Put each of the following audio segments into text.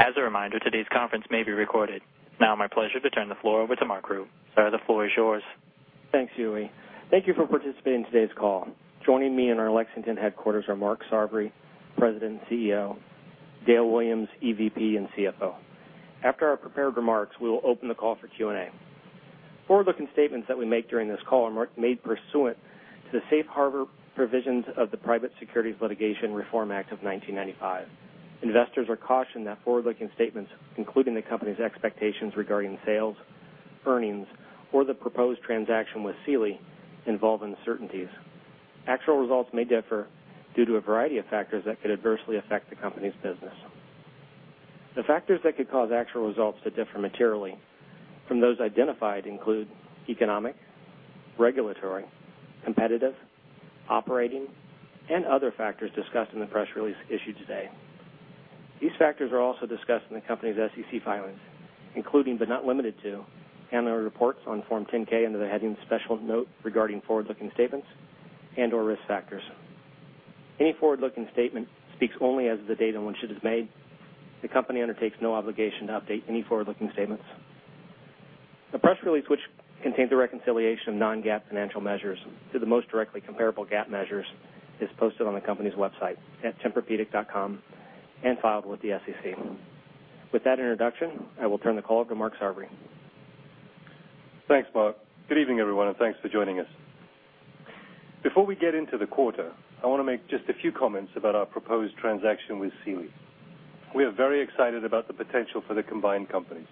As a reminder, today's conference may be recorded. Now my pleasure to turn the floor over to Mark Roode. Sir, the floor is yours. Thanks, Hughie. Thank you for participating in today's call. Joining me in our Lexington headquarters are Mark Sarvary, President and CEO, Dale Williams, EVP, and CFO. After our prepared remarks, we will open the call for Q&A. Forward-looking statements that we make during this call are made pursuant to the Safe Harbor Provisions of the Private Securities Litigation Reform Act of 1995. Investors are cautioned that forward-looking statements, including the company's expectations regarding sales, earnings, or the proposed transaction with Sealy, involve uncertainties. Actual results may differ due to a variety of factors that could adversely affect the company's business. The factors that could cause actual results to differ materially from those identified include economic, regulatory, competitive, operating, and other factors discussed in the press release issued today. These factors are also discussed in the company's SEC filings, including but not limited to, annual reports on Form 10-K under the heading special note regarding forward-looking statements and/or risk factors. Any forward-looking statement speaks only as of the date on which it is made. The company undertakes no obligation to update any forward-looking statements. The press release, which contains a reconciliation of non-GAAP financial measures to the most directly comparable GAAP measures, is posted on the company's website at tempurpedic.com and filed with the SEC. With that introduction, I will turn the call over to Mark Sarvary. Thanks, Mark. Good evening, everyone, and thanks for joining us. Before we get into the quarter, I want to make just a few comments about our proposed transaction with Sealy. We are very excited about the potential for the combined companies.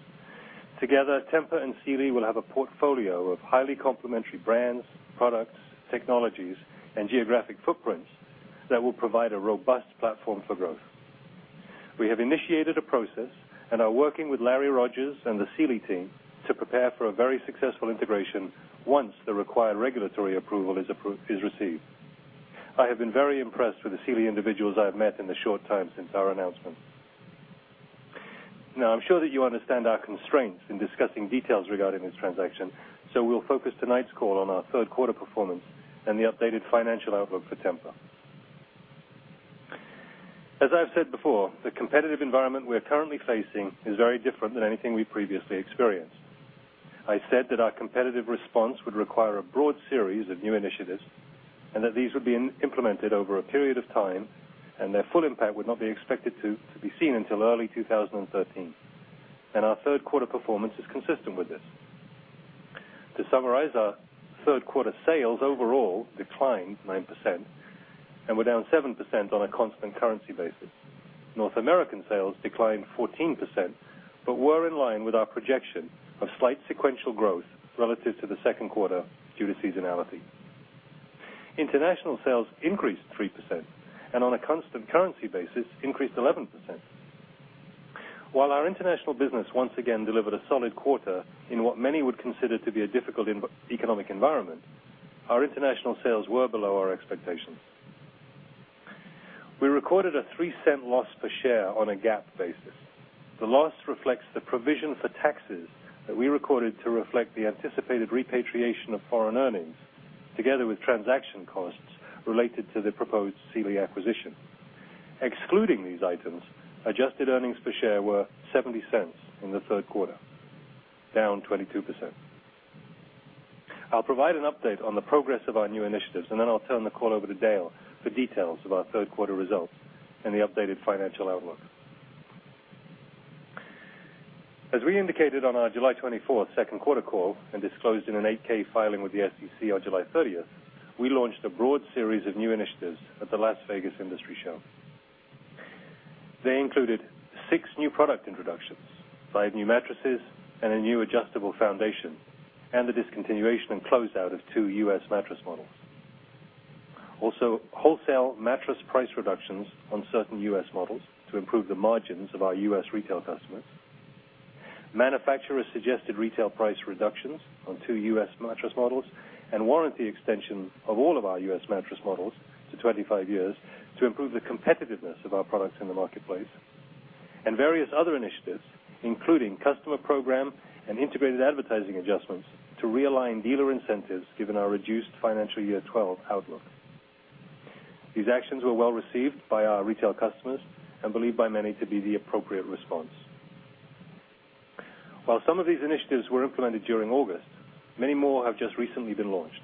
Together, Tempur and Sealy will have a portfolio of highly complementary brands, products, technologies, and geographic footprints that will provide a robust platform for growth. We have initiated a process and are working with Larry Rogers and the Sealy team to prepare for a very successful integration once the required regulatory approval is received. I have been very impressed with the Sealy individuals I've met in the short time since our announcement. Now, I'm sure that you understand our constraints in discussing details regarding this transaction, so we'll focus tonight's call on our third quarter performance and the updated financial outlook for Tempur. As I've said before, the competitive environment we are currently facing is very different than anything we previously experienced. I said that our competitive response would require a broad series of new initiatives and that these would be implemented over a period of time, and their full impact would not be expected to be seen until early 2013. Our third quarter performance is consistent with this. To summarize, our third quarter sales overall declined 9% and were down 7% on a constant currency basis. North American sales declined 14% but were in line with our projection of slight sequential growth relative to the second quarter due to seasonality. International sales increased 3% and on a constant currency basis, increased 11%. While our international business once again delivered a solid quarter in what many would consider to be a difficult economic environment, our international sales were below our expectations. We recorded a $0.03 loss per share on a GAAP basis. The loss reflects the provision for taxes that we recorded to reflect the anticipated repatriation of foreign earnings, together with transaction costs related to the proposed Sealy acquisition. Excluding these items, adjusted earnings per share were $0.70 in the third quarter, down 22%. I'll provide an update on the progress of our new initiatives, then I'll turn the call over to Dale for details of our third quarter results and the updated financial outlook. As we indicated on our July 24th second quarter call and disclosed in an 8-K filing with the SEC on July 30th, we launched a broad series of new initiatives at the Las Vegas industry show. They included six new product introductions, five new mattresses, and a new adjustable foundation, and the discontinuation and closeout of two U.S. mattress models. Also, wholesale mattress price reductions on certain U.S. models to improve the margins of our U.S. retail customers. Manufacturer suggested retail price reductions on two U.S. mattress models and warranty extension of all of our U.S. mattress models to 25 years to improve the competitiveness of our products in the marketplace. Various other initiatives, including customer program and integrated advertising adjustments to realign dealer incentives given our reduced FY 2012 outlook. These actions were well received by our retail customers and believed by many to be the appropriate response. While some of these initiatives were implemented during August, many more have just recently been launched.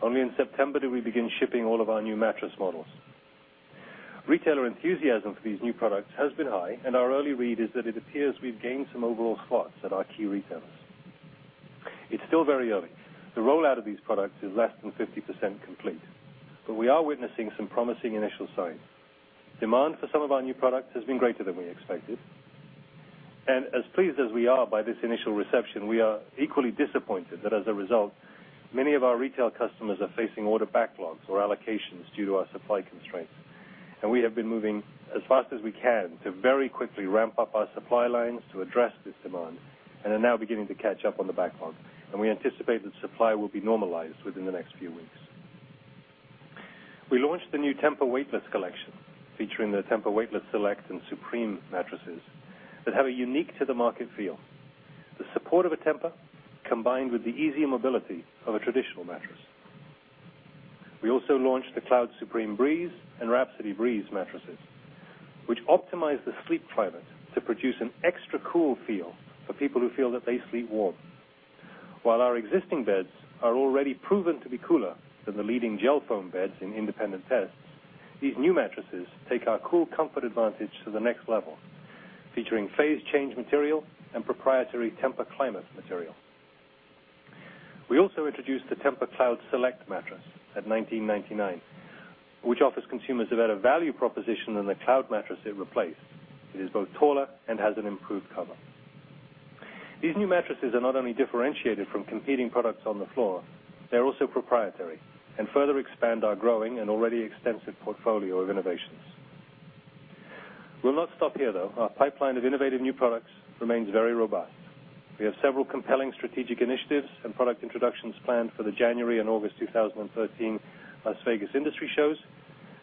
Only in September did we begin shipping all of our new mattress models. Retailer enthusiasm for these new products has been high, and our early read is that it appears we've gained some overall slots at our key retailers. It's still very early. The rollout of these products is less than 50% complete, but we are witnessing some promising initial signs. Demand for some of our new products has been greater than we expected, and as pleased as we are by this initial reception, we are equally disappointed that as a result, many of our retail customers are facing order backlogs or allocations due to our supply constraints. We have been moving as fast as we can to very quickly ramp up our supply lines to address this demand and are now beginning to catch up on the backlog, and we anticipate that supply will be normalized within the next few weeks. We launched the new TEMPUR-Weightless collection, featuring the TEMPUR-Weightless Select and TEMPUR-Weightless Supreme mattresses that have a unique to the market feel. The support of a Tempur combined with the easy mobility of a traditional mattress. We also launched the TEMPUR-Cloud Supreme Breeze and TEMPUR-Rhapsody Breeze mattresses, which optimize the sleep climate to produce an extra cool feel for people who feel that they sleep warm. While our existing beds are already proven to be cooler than the leading gel foam beds in independent tests, these new mattresses take our cool comfort advantage to the next level, featuring phase change material and proprietary TEMPUR-Climate support layer. We also introduced the TEMPUR-Cloud Select Mattress at $1,999, which offers consumers a better value proposition than the TEMPUR-Cloud mattress it replaced. It is both taller and has an improved cover. These new mattresses are not only differentiated from competing products on the floor, they are also proprietary and further expand our growing and already extensive portfolio of innovations. We will not stop here, though. Our pipeline of innovative new products remains very robust. We have several compelling strategic initiatives and product introductions planned for the January and August 2013 Las Vegas industry shows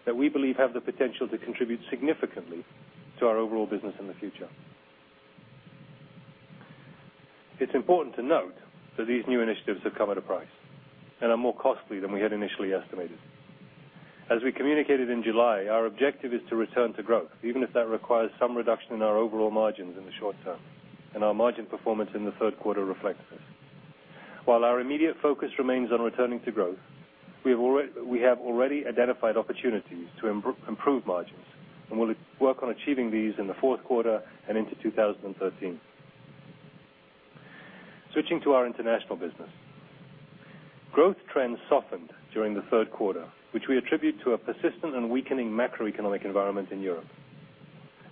that we believe have the potential to contribute significantly to our overall business in the future. It is important to note that these new initiatives have come at a price and are more costly than we had initially estimated. As we communicated in July, our objective is to return to growth, even if that requires some reduction in our overall margins in the short term, and our margin performance in the third quarter reflects this. While our immediate focus remains on returning to growth, we have already identified opportunities to improve margins, and we will work on achieving these in the fourth quarter and into 2013. Switching to our international business. Growth trends softened during the third quarter, which we attribute to a persistent and weakening macroeconomic environment in Europe.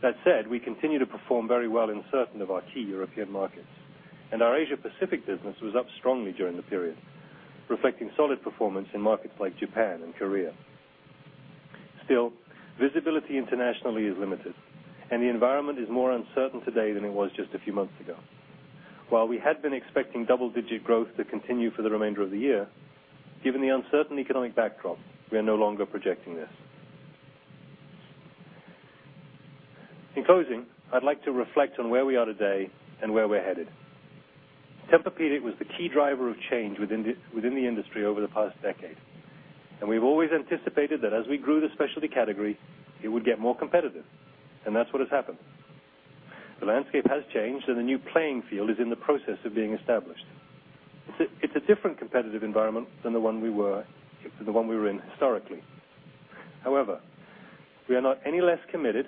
That said, we continue to perform very well in certain of our key European markets, and our Asia Pacific business was up strongly during the period, reflecting solid performance in markets like Japan and Korea. Still, visibility internationally is limited, and the environment is more uncertain today than it was just a few months ago. While we had been expecting double-digit growth to continue for the remainder of the year, given the uncertain economic backdrop, we are no longer projecting this. In closing, I would like to reflect on where we are today and where we are headed. Tempur-Pedic was the key driver of change within the industry over the past decade. And we have always anticipated that as we grew the specialty category, it would get more competitive, and that is what has happened. The landscape has changed, and the new playing field is in the process of being established. It is a different competitive environment than the one we were in historically. However, we are not any less committed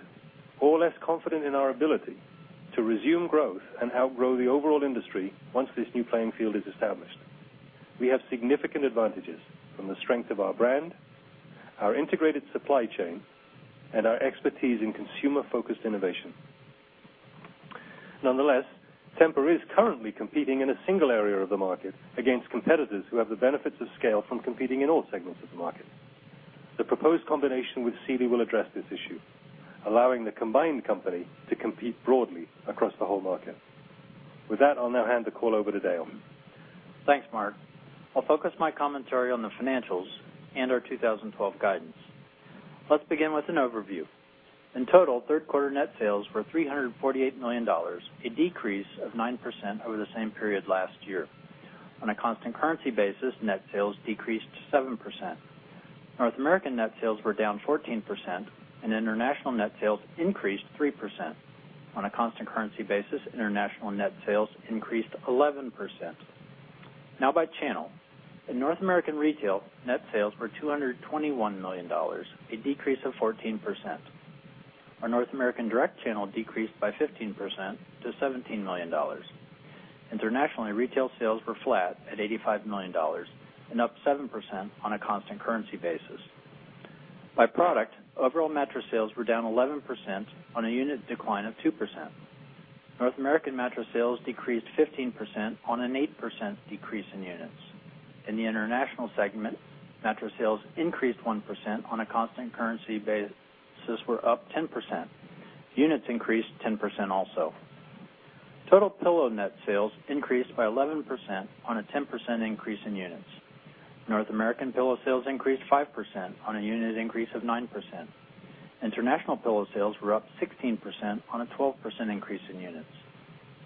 or less confident in our ability to resume growth and outgrow the overall industry once this new playing field is established. We have significant advantages from the strength of our brand, our integrated supply chain, and our expertise in consumer-focused innovation. Nonetheless, Tempur is currently competing in a single area of the market against competitors who have the benefits of scale from competing in all segments of the market. The proposed combination with Sealy will address this issue, allowing the combined company to compete broadly across the whole market. With that, I will now hand the call over to Dale. Thanks, Mark. I'll focus my commentary on the financials and our 2012 guidance. Let's begin with an overview. In total, third quarter net sales were $348 million, a decrease of 9% over the same period last year. On a constant currency basis, net sales decreased 7%. North American net sales were down 14%. International net sales increased 3%. On a constant currency basis, international net sales increased 11%. Now by channel. In North American retail, net sales were $221 million, a decrease of 14%. Our North American direct channel decreased by 15% to $17 million. Internationally, retail sales were flat at $85 million. Up 7% on a constant currency basis. By product, overall mattress sales were down 11% on a unit decline of 2%. North American mattress sales decreased 15% on an 8% decrease in units. In the international segment, mattress sales increased 1% on a constant currency basis were up 10%. Units increased 10% also. Total pillow net sales increased by 11% on a 10% increase in units. North American pillow sales increased 5% on a unit increase of 9%. International pillow sales were up 16% on a 12% increase in units.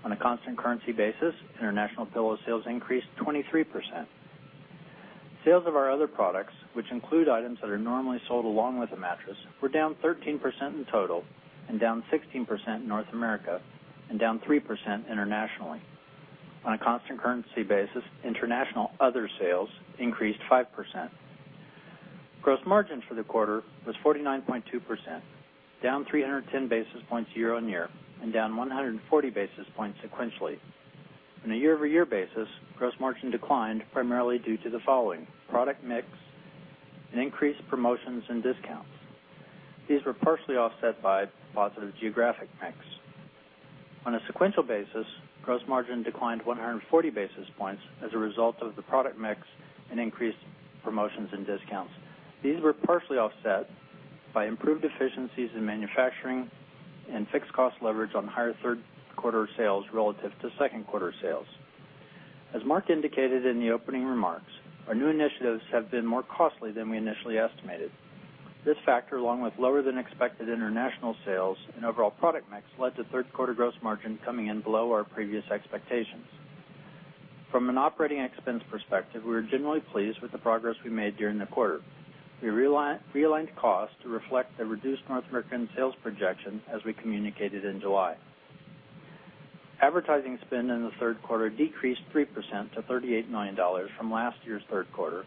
On a constant currency basis, international pillow sales increased 23%. Sales of our other products, which include items that are normally sold along with a mattress, were down 13% in total. Down 16% in North America. Down 3% internationally. On a constant currency basis, international other sales increased 5%. Gross margin for the quarter was 49.2%, down 310 basis points year-on-year. Down 140 basis points sequentially. On a year-over-year basis, gross margin declined primarily due to the following: product mix, increased promotions and discounts. These were partially offset by positive geographic mix. On a sequential basis, gross margin declined 140 basis points as a result of the product mix, increased promotions and discounts. These were partially offset by improved efficiencies in manufacturing, fixed cost leverage on higher third quarter sales relative to second quarter sales. As Mark indicated in the opening remarks, our new initiatives have been more costly than we initially estimated. This factor, along with lower than expected international sales, overall product mix, led to third quarter gross margin coming in below our previous expectations. From an operating expense perspective, we were generally pleased with the progress we made during the quarter. We realigned costs to reflect the reduced North American sales projection as we communicated in July. Advertising spend in the third quarter decreased 3% to $38 million from last year's third quarter.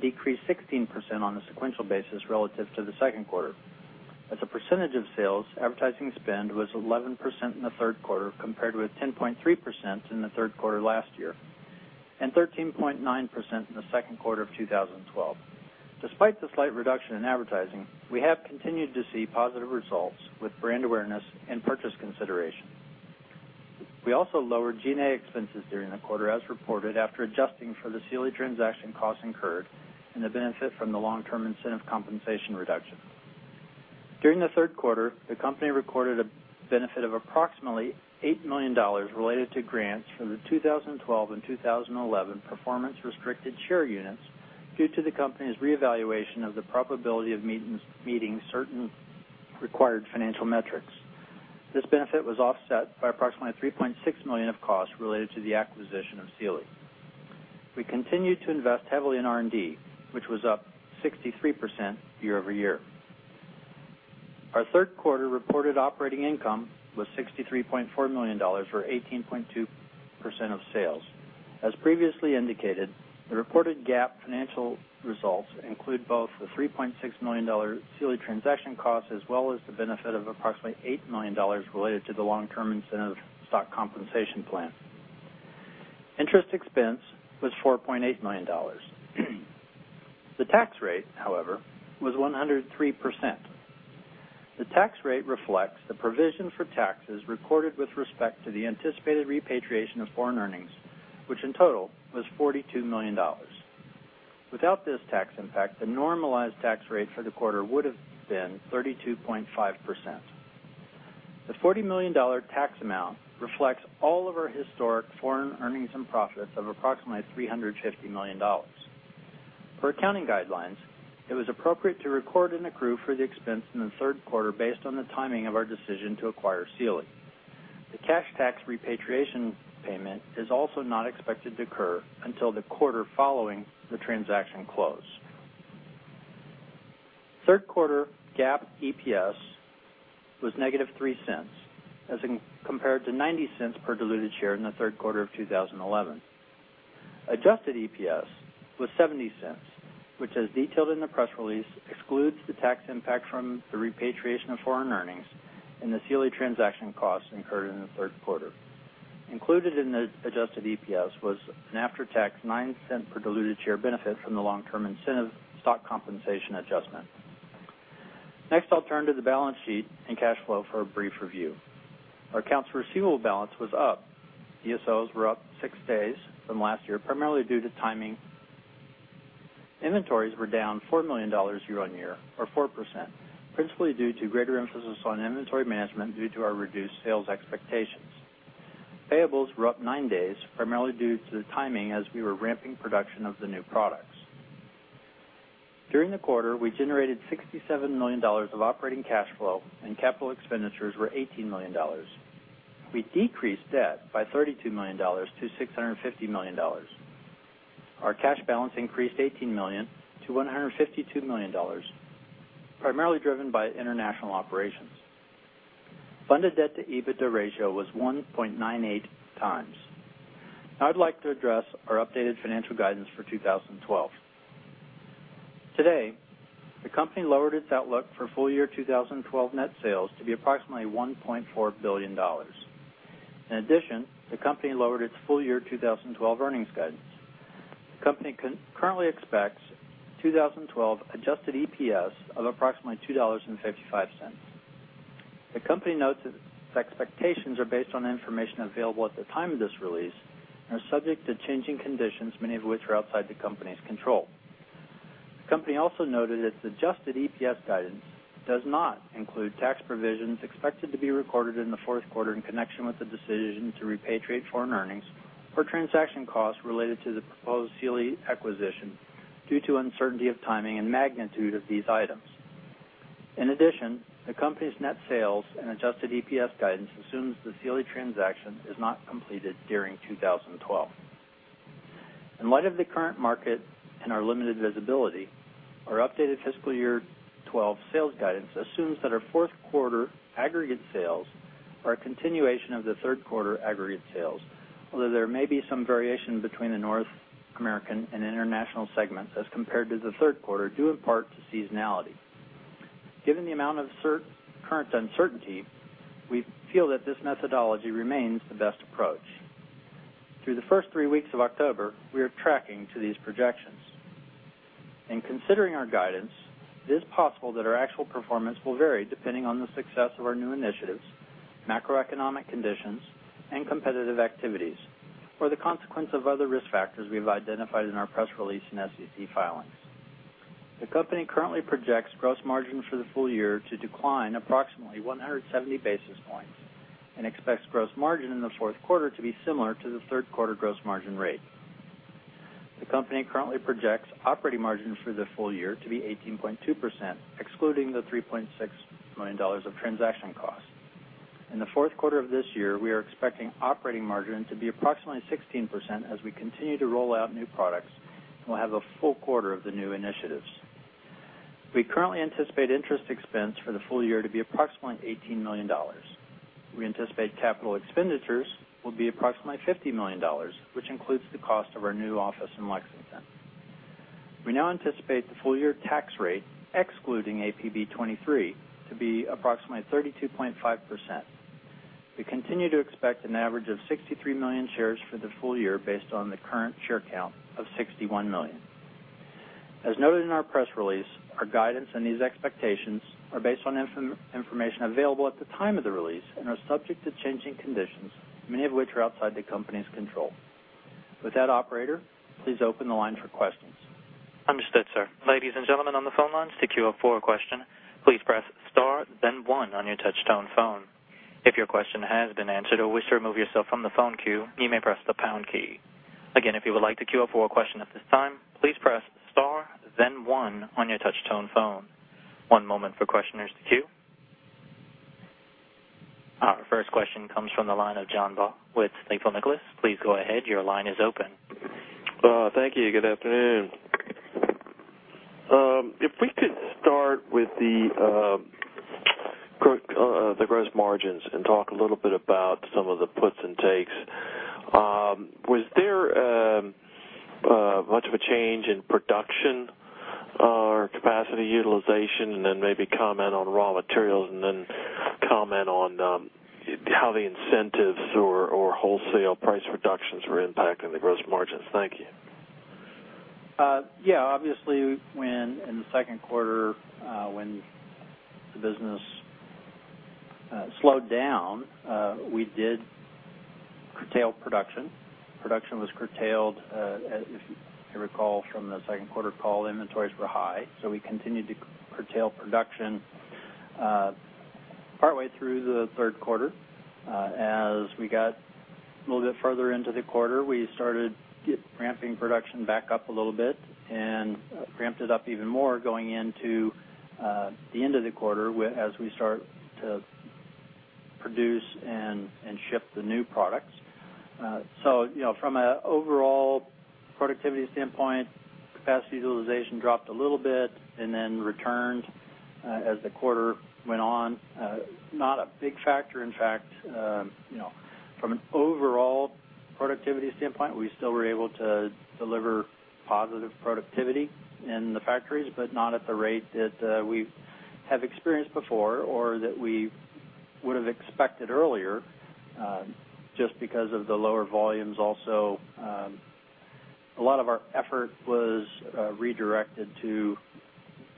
Decreased 16% on a sequential basis relative to the second quarter. As a percentage of sales, advertising spend was 11% in the third quarter, compared with 10.3% in the third quarter last year. 13.9% in the second quarter of 2012. Despite the slight reduction in advertising, we have continued to see positive results with brand awareness, purchase consideration. We also lowered G&A expenses during the quarter as reported, after adjusting for the Sealy transaction costs incurred, the benefit from the long-term incentive compensation reduction. During the third quarter, the company recorded a benefit of approximately $8 million related to grants for the 2012, 2011 performance-restricted share units due to the company's reevaluation of the probability of meeting certain required financial metrics. This benefit was offset by approximately $3.6 million of costs related to the acquisition of Sealy. We continued to invest heavily in R&D, which was up 63% year-over-year. Our third quarter reported operating income was $63.4 million, or 18.2% of sales. As previously indicated, the reported GAAP financial results include both the $3.6 million Sealy transaction cost, as well as the benefit of approximately $8 million related to the long-term incentive stock compensation plan. Interest expense was $4.8 million. The tax rate, however, was 103%. The tax rate reflects the provision for taxes recorded with respect to the anticipated repatriation of foreign earnings, which in total was $42 million. Without this tax impact, the normalized tax rate for the quarter would've been 32.5%. The $40 million tax amount reflects all of our historic foreign earnings and profits of approximately $350 million. Per accounting guidelines, it was appropriate to record and accrue for the expense in the third quarter based on the timing of our decision to acquire Sealy. The cash tax repatriation payment is also not expected to occur until the quarter following the transaction close. Third quarter GAAP EPS was negative $0.03, as compared to $0.90 per diluted share in the third quarter of 2011. Adjusted EPS was $0.70, which, as detailed in the press release, excludes the tax impact from the repatriation of foreign earnings and the Sealy transaction costs incurred in the third quarter. Included in the adjusted EPS was an after-tax $0.09 per diluted share benefit from the long-term incentive stock compensation adjustment. Next, I'll turn to the balance sheet and cash flow for a brief review. Our accounts receivable balance was up. DSOs were up six days from last year, primarily due to timing. Inventories were down $4 million year-on-year or 4%, principally due to greater emphasis on inventory management due to our reduced sales expectations. Payables were up nine days, primarily due to the timing as we were ramping production of the new products. During the quarter, we generated $67 million of operating cash flow, and capital expenditures were $18 million. We decreased debt by $32 million to $650 million. Our cash balance increased $18 million to $152 million, primarily driven by international operations. Funded debt to EBITDA ratio was 1.98 times. Now I'd like to address our updated financial guidance for 2012. Today, the company lowered its outlook for full-year 2012 net sales to be approximately $1.4 billion. In addition, the company lowered its full-year 2012 earnings guidance. The company currently expects 2012 adjusted EPS of approximately $2.55. The company notes its expectations are based on information available at the time of this release and are subject to changing conditions, many of which are outside the company's control. The company also noted its adjusted EPS guidance does not include tax provisions expected to be recorded in the fourth quarter in connection with the decision to repatriate foreign earnings or transaction costs related to the proposed Sealy acquisition due to uncertainty of timing and magnitude of these items. In addition, the company's net sales and adjusted EPS guidance assumes the Sealy transaction is not completed during 2012. In light of the current market and our limited visibility, our updated fiscal year 2012 sales guidance assumes that our fourth quarter aggregate sales are a continuation of the third quarter aggregate sales. Although there may be some variation between the North American and international segments as compared to the third quarter, due in part to seasonality. Given the amount of current uncertainty, we feel that this methodology remains the best approach. Through the first three weeks of October, we are tracking to these projections. In considering our guidance, it is possible that our actual performance will vary depending on the success of our new initiatives, macroeconomic conditions, and competitive activities, or the consequence of other risk factors we have identified in our press release and SEC filings. The company currently projects gross margin for the full year to decline approximately 170 basis points and expects gross margin in the fourth quarter to be similar to the third quarter gross margin result. The company currently projects operating margin for the full year to be 18.2%, excluding the $3.6 million of transaction costs. In the fourth quarter of this year, we are expecting operating margin to be approximately 16% as we continue to roll out new products, and we'll have a full quarter of the new initiatives. We currently anticipate interest expense for the full year to be approximately $18 million. We anticipate capital expenditures will be approximately $50 million, which includes the cost of our new office in Lexington. We now anticipate the full year tax rate, excluding APB 23, to be approximately 32.5%. We continue to expect an average of 63 million shares for the full year based on the current share count of 61 million. As noted in our press release, our guidance and these expectations are based on information available at the time of the release and are subject to changing conditions, many of which are outside the company's control. With that, operator, please open the line for questions. Understood, sir. Ladies and gentlemen on the phone lines, to queue up for a question, please press star then one on your touchtone phone. If your question has been answered or wish to remove yourself from the phone queue, you may press the pound key. Again, if you would like to queue up for a question at this time, please press star then one on your touchtone phone. One moment for questioners to queue. Our first question comes from the line of John Baugh with Stifel Nicolaus. Please go ahead. Your line is open. Thank you. Good afternoon. If we could start with the gross margins and talk a little bit about some of the puts and takes. Was there much of a change in production or capacity utilization? Maybe comment on raw materials, and then comment on how the incentives or wholesale price reductions were impacting the gross margins. Thank you. Obviously, in the second quarter, when the business slowed down, we did curtail production. Production was curtailed. If you recall from the second quarter call, inventories were high. We continued to curtail production partway through the third quarter. As we got a little bit further into the quarter, we started ramping production back up a little bit and ramped it up even more going into the end of the quarter as we start to produce and ship the new products. From an overall productivity standpoint, capacity utilization dropped a little bit and then returned as the quarter went on. Not a big factor. In fact, from an overall productivity standpoint, we still were able to deliver positive productivity in the factories, but not at the rate that we have experienced before or that we would have expected earlier just because of the lower volumes. A lot of our effort was redirected to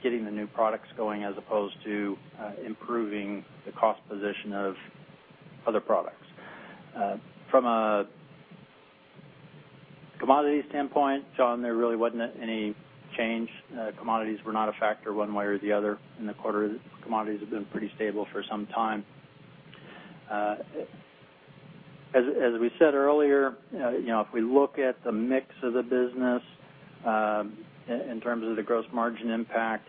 getting the new products going as opposed to improving the cost position of other products. From a commodity standpoint, John, there really wasn't any change. Commodities were not a factor one way or the other in the quarter. Commodities have been pretty stable for some time. As we said earlier, if we look at the mix of the business in terms of the gross margin impact,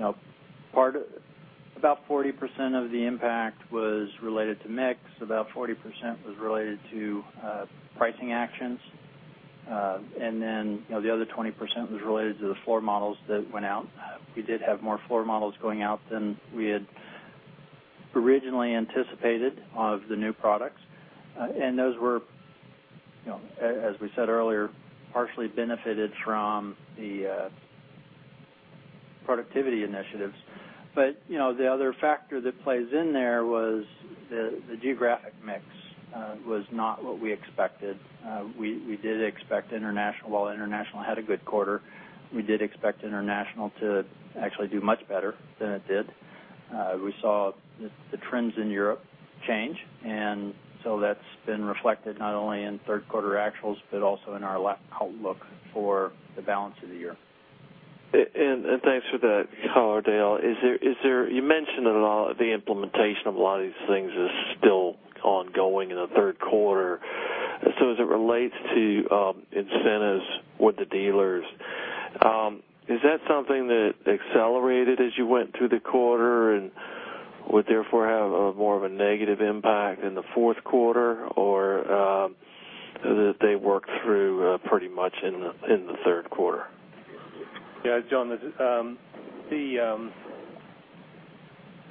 about 40% of the impact was related to mix, about 40% was related to pricing actions, and then the other 20% was related to the floor models that went out. We did have more floor models going out than we had originally anticipated of the new products. Those were, as we said earlier, partially benefited from the productivity initiatives. The other factor that plays in there was the geographic mix was not what we expected. While international had a good quarter, we did expect international to actually do much better than it did. We saw the trends in Europe change, that's been reflected not only in third quarter actuals, but also in our outlook for the balance of the year. Thanks for that color, Dale. You mentioned that the implementation of a lot of these things is still ongoing in the third quarter. As it relates to incentives with the dealers, is that something that accelerated as you went through the quarter and would therefore have more of a negative impact in the fourth quarter? Did they work through pretty much in the third quarter? Yeah, John.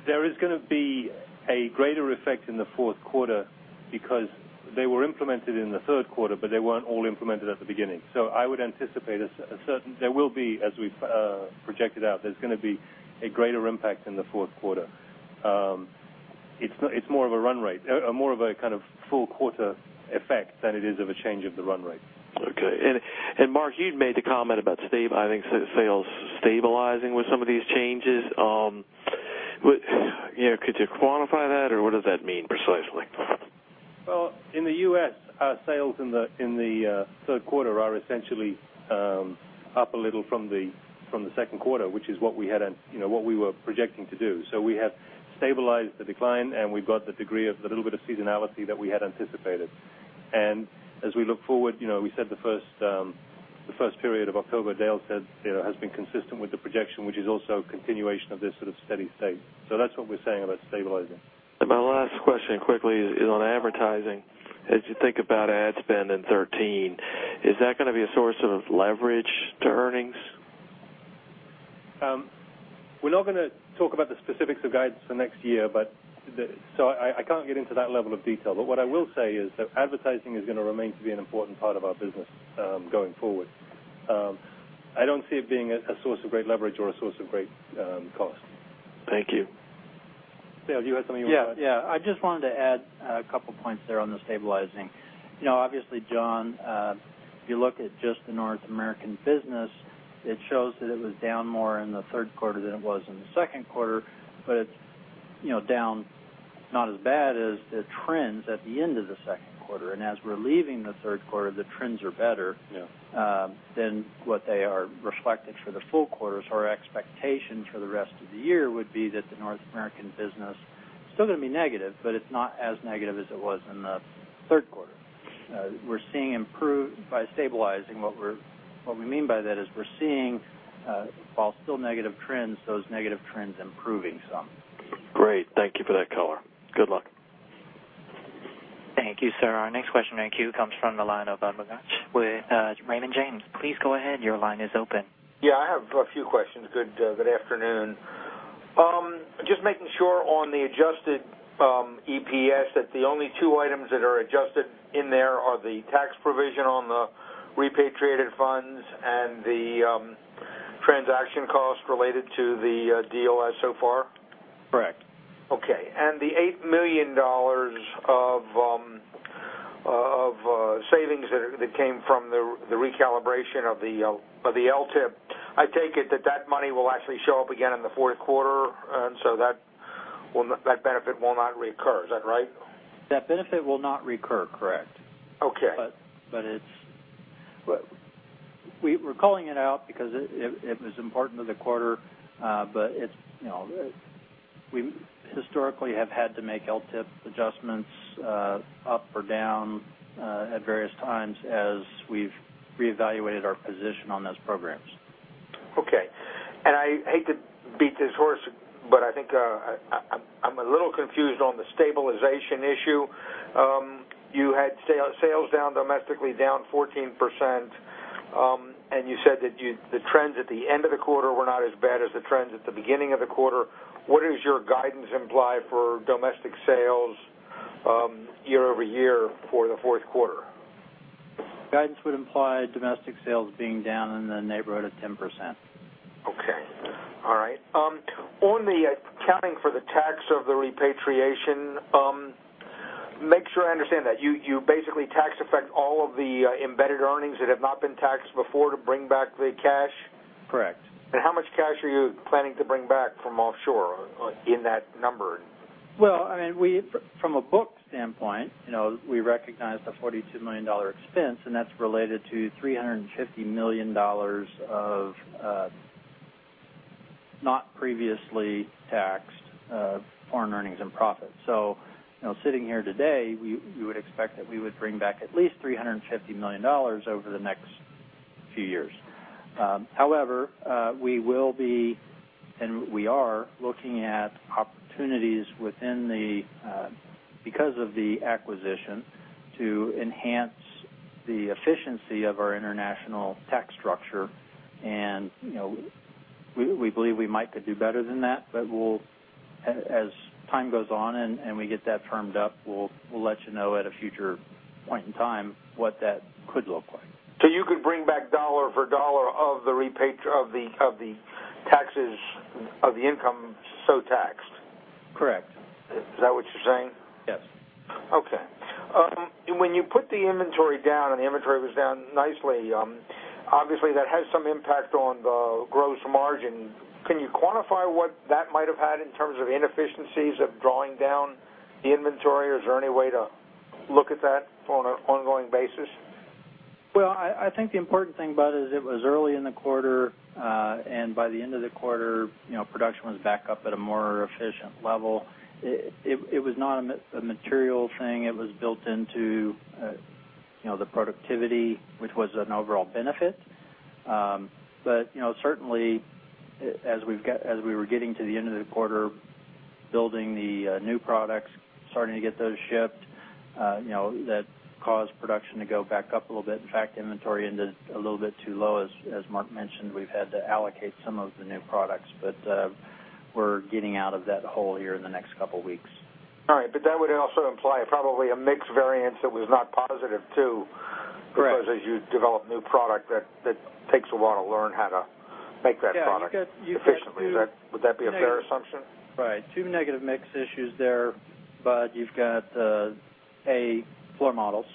There is going to be a greater effect in the fourth quarter because they were implemented in the third quarter, but they weren't all implemented at the beginning. I would anticipate there will be, as we projected out, there's going to be a greater impact in the fourth quarter. It's more of a kind of full quarter effect than it is of a change of the run rate. Okay. Mark, you'd made the comment about sales stabilizing with some of these changes. Could you quantify that or what does that mean precisely? Well, in the U.S., our sales in the third quarter are essentially Up a little from the second quarter, which is what we were projecting to do. We have stabilized the decline, and we've got the degree of the little bit of seasonality that we had anticipated. As we look forward, we said the first period of October, Dale said, has been consistent with the projection, which is also a continuation of this sort of steady state. That's what we're saying about stabilizing. My last question quickly is on advertising. As you think about ad spend in 2013, is that going to be a source of leverage to earnings? We're not going to talk about the specifics of guidance for next year, so I can't get into that level of detail. What I will say is that advertising is going to remain to be an important part of our business, going forward. I don't see it being a source of great leverage or a source of great cost. Thank you. Dale, you had something you wanted to add? Yeah. I just wanted to add a couple points there on the stabilizing. Obviously, John, if you look at just the North American business, it shows that it was down more in the third quarter than it was in the second quarter. Down not as bad as the trends at the end of the second quarter. As we're leaving the third quarter, the trends are better Yeah than what they are reflected for the full quarter. Our expectation for the rest of the year would be that the North American business still going to be negative, but it's not as negative as it was in the third quarter. By stabilizing, what we mean by that is we're seeing, while still negative trends, those negative trends improving some. Great. Thank you for that color. Good luck. Thank you, sir. Our next question in queue comes from the line of Budd Bugatch with Raymond James. Please go ahead. Your line is open. I have a few questions. Good afternoon. Just making sure on the adjusted EPS that the only two items that are adjusted in there are the tax provision on the repatriated funds and the transaction costs related to the deal so far? Correct. Okay. The $8 million of savings that came from the recalibration of the LTIP, I take it that that money will actually show up again in the fourth quarter, that benefit will not recur, is that right? That benefit will not recur, correct. Okay. We're calling it out because it was important to the quarter. We historically have had to make LTIP adjustments, up or down, at various times as we've reevaluated our position on those programs. Okay. I hate to beat this horse, but I think I'm a little confused on the stabilization issue. You had sales down domestically, down 14%, and you said that the trends at the end of the quarter were not as bad as the trends at the beginning of the quarter. What does your guidance imply for domestic sales year-over-year for the fourth quarter? Guidance would imply domestic sales being down in the neighborhood of 10%. Okay. All right. On the accounting for the tax of the repatriation, make sure I understand that. You basically tax effect all of the embedded earnings that have not been taxed before to bring back the cash? Correct. How much cash are you planning to bring back from offshore in that number? Well, from a book standpoint, we recognized a $42 million expense, and that's related to $350 million of not previously taxed foreign earnings and profits. Sitting here today, we would expect that we would bring back at least $350 million over the next few years. However, we will be, and we are, looking at opportunities because of the acquisition, to enhance the efficiency of our international tax structure. We believe we might could do better than that, but as time goes on and we get that firmed up, we'll let you know at a future point in time what that could look like. You could bring back dollar for dollar of the taxes of the income so taxed. Correct. Is that what you're saying? Yes. Okay. When you put the inventory down, and the inventory was down nicely, obviously that has some impact on the gross margin. Can you quantify what that might have had in terms of inefficiencies of drawing down the inventory? Is there any way to look at that on an ongoing basis? Well, I think the important thing about it is it was early in the quarter, and by the end of the quarter, production was back up at a more efficient level. It was not a material thing. It was built into the productivity, which was an overall benefit. Certainly, as we were getting to the end of the quarter, building the new products, starting to get those shipped, that caused production to go back up a little bit. In fact, inventory ended a little bit too low. As Mark mentioned, we've had to allocate some of the new products. We're getting out of that hole here in the next couple weeks. All right. That would also imply probably a mix variance that was not positive, too. Correct. As you develop new product, that takes a while to learn how to make that product. Yeah. You've got two. efficiently. Would that be a fair assumption? Right. Two negative mix issues there, Budd. You've got, A, floor models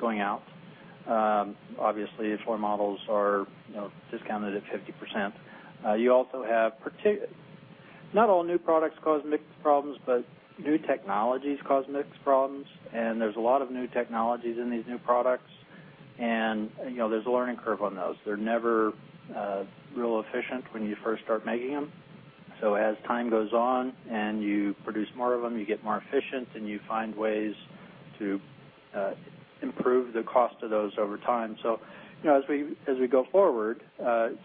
going out. Obviously, floor models are discounted at 50%. Not all new products cause mix problems, but new technologies cause mix problems, there's a lot of new technologies in these new products. There's a learning curve on those. They're never real efficient when you first start making them. As time goes on and you produce more of them, you get more efficient, and you find ways to improve the cost of those over time. As we go forward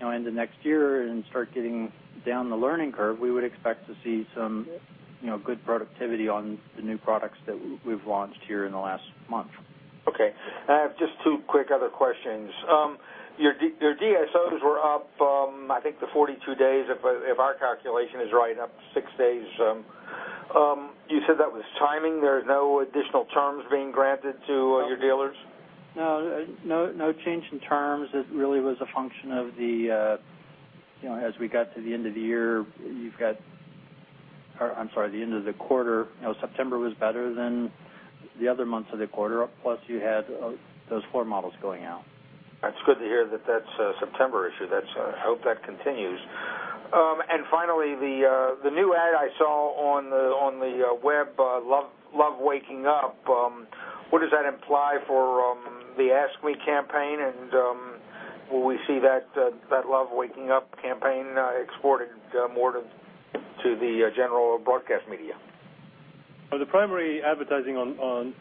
into next year and start getting down the learning curve, we would expect to see some good productivity on the new products that we've launched here in the last month. Okay. I have just two quick other questions. Your DSOs were up, I think to 42 days, if our calculation is right, up six days. You said that was timing. There's no additional terms being granted to your dealers? No. No change in terms. It really was a function of the, as we got to the end of the quarter. September was better than the other months of the quarter. Plus, you had those four models going out. That's good to hear that that's a September issue. I hope that continues. Finally, the new ad I saw on the web, "Love Waking Up," what does that imply for the Ask Me campaign? Will we see that Love Waking Up campaign exported more to the general broadcast media? The primary advertising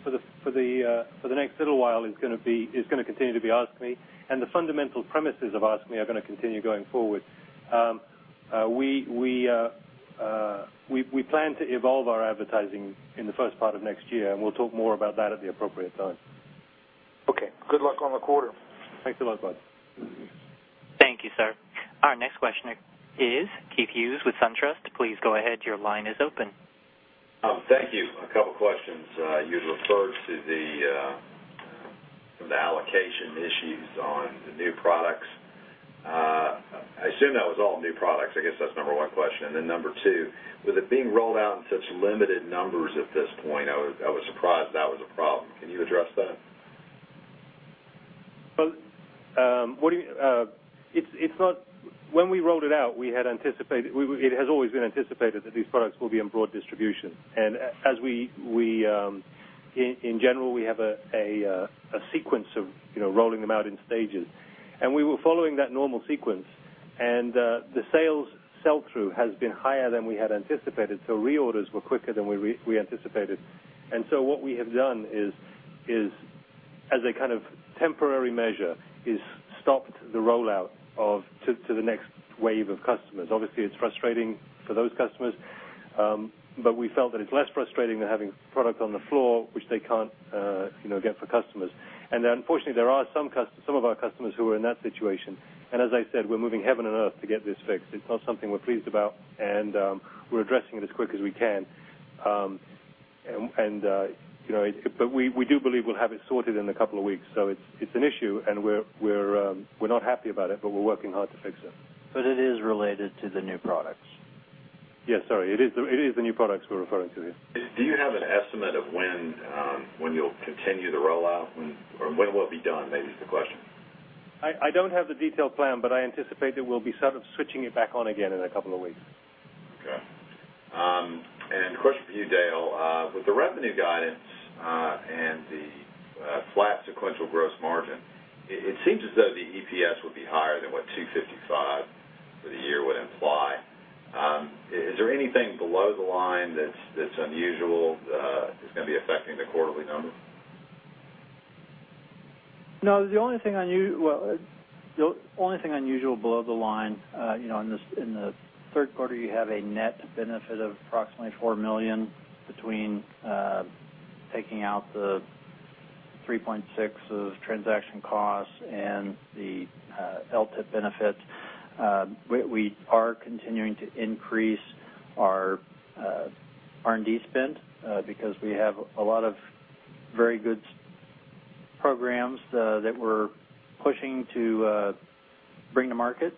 for the next little while is going to continue to be Ask Me, the fundamental premises of Ask Me are going to continue going forward. We plan to evolve our advertising in the first part of next year, we'll talk more about that at the appropriate time. Okay. Good luck on the quarter. Thanks a lot, Bud. Thank you, sir. Our next question is Keith Hughes with SunTrust. Please go ahead. Your line is open. Thank you. A couple questions. You had referred to the allocation issues on the new products. I assume that was all new products. I guess that's number 1 question. Then number 2, with it being rolled out in such limited numbers at this point, I was surprised that was a problem. Can you address that? When we rolled it out, it has always been anticipated that these products will be in broad distribution. In general, we have a sequence of rolling them out in stages. We were following that normal sequence, and the sell-through has been higher than we had anticipated, so reorders were quicker than we anticipated. What we have done is, as a kind of temporary measure, is stopped the rollout to the next wave of customers. Obviously, it's frustrating for those customers, but we felt that it's less frustrating than having product on the floor which they can't get for customers. Unfortunately, there are some of our customers who are in that situation. As I said, we're moving heaven and earth to get this fixed. It's not something we're pleased about, and we're addressing it as quick as we can. We do believe we'll have it sorted in a couple of weeks. It's an issue, and we're not happy about it, but we're working hard to fix it. It is related to the new products. Yes, sorry. It is the new products we're referring to here. Do you have an estimate of when you'll continue the rollout, or when will it be done, maybe is the question? I don't have the detailed plan, but I anticipate that we'll be sort of switching it back on again in a couple of weeks. Okay. A question for you, Dale. With the revenue guidance and the flat sequential gross margin, it seems as though the EPS would be higher than what $2.55 for the year would imply. Is there anything below the line that's unusual that's going to be affecting the quarterly numbers? No. The only thing unusual below the line, in the third quarter, you have a net benefit of approximately $4 million between taking out the $3.6 of transaction costs and the LTIP benefit. We are continuing to increase our R&D spend because we have a lot of very good programs that we're pushing to bring to market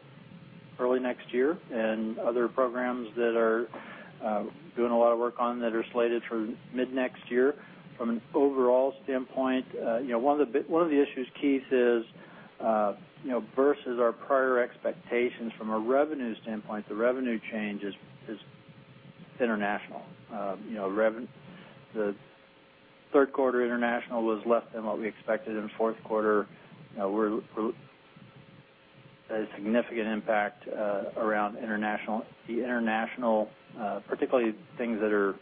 early next year and other programs that are doing a lot of work on that are slated for mid next year. From an overall standpoint, one of the issues, Keith, is versus our prior expectations from a revenue standpoint, the revenue change is international. The third quarter international was less than what we expected in the fourth quarter. A significant impact around the international, particularly things that are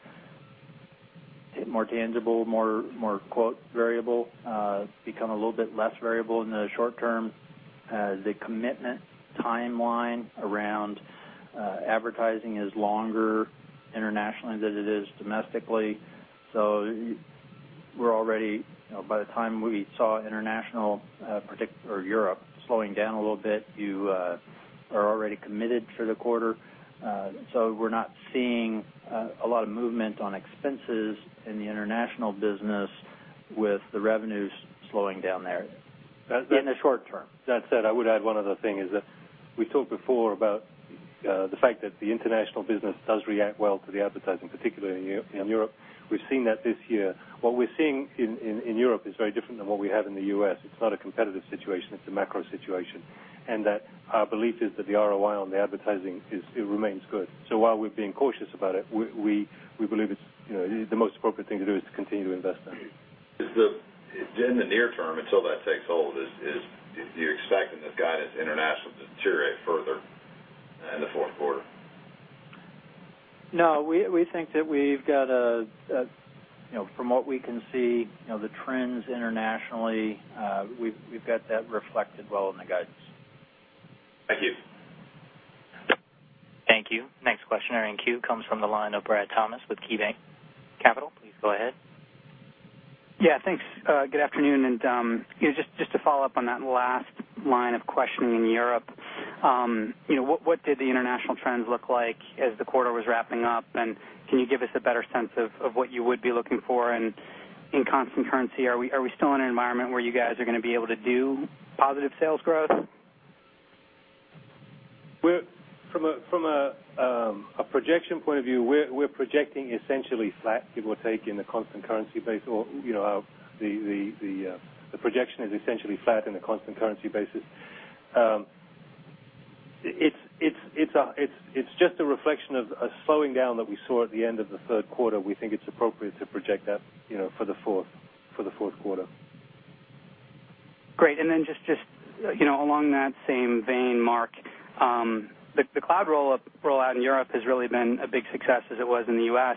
more tangible, more "variable," become a little bit less variable in the short term. The commitment timeline around advertising is longer internationally than it is domestically. By the time we saw international, or Europe, slowing down a little bit, you are already committed for the quarter. We're not seeing a lot of movement on expenses in the international business with the revenues slowing down there in the short term. That said, I would add one other thing is that we talked before about the fact that the international business does react well to the advertising, particularly in Europe. We've seen that this year. What we're seeing in Europe is very different than what we have in the U.S. It's not a competitive situation, it's a macro situation. Our belief is that the ROI on the advertising remains good. While we're being cautious about it, we believe the most appropriate thing to do is to continue to invest there. In the near term, until that takes hold, do you expect this guidance international to deteriorate further in the fourth quarter? No, we think that from what we can see, the trends internationally, we've got that reflected well in the guidance. Thank you. Thank you. Next question in our queue comes from the line of Brad Thomas with KeyBanc Capital. Please go ahead. Yeah, thanks. Good afternoon. Just to follow up on that last line of questioning in Europe. What did the international trends look like as the quarter was wrapping up? Can you give us a better sense of what you would be looking for? In constant currency, are we still in an environment where you guys are going to be able to do positive sales growth? From a projection point of view, we're projecting essentially flat give or take in the constant currency base or the projection is essentially flat in the constant currency basis. It's just a reflection of a slowing down that we saw at the end of the third quarter. We think it's appropriate to project that for the fourth quarter. Great. Just along that same vein, Mark, the TEMPUR-Cloud rollout in Europe has really been a big success as it was in the U.S.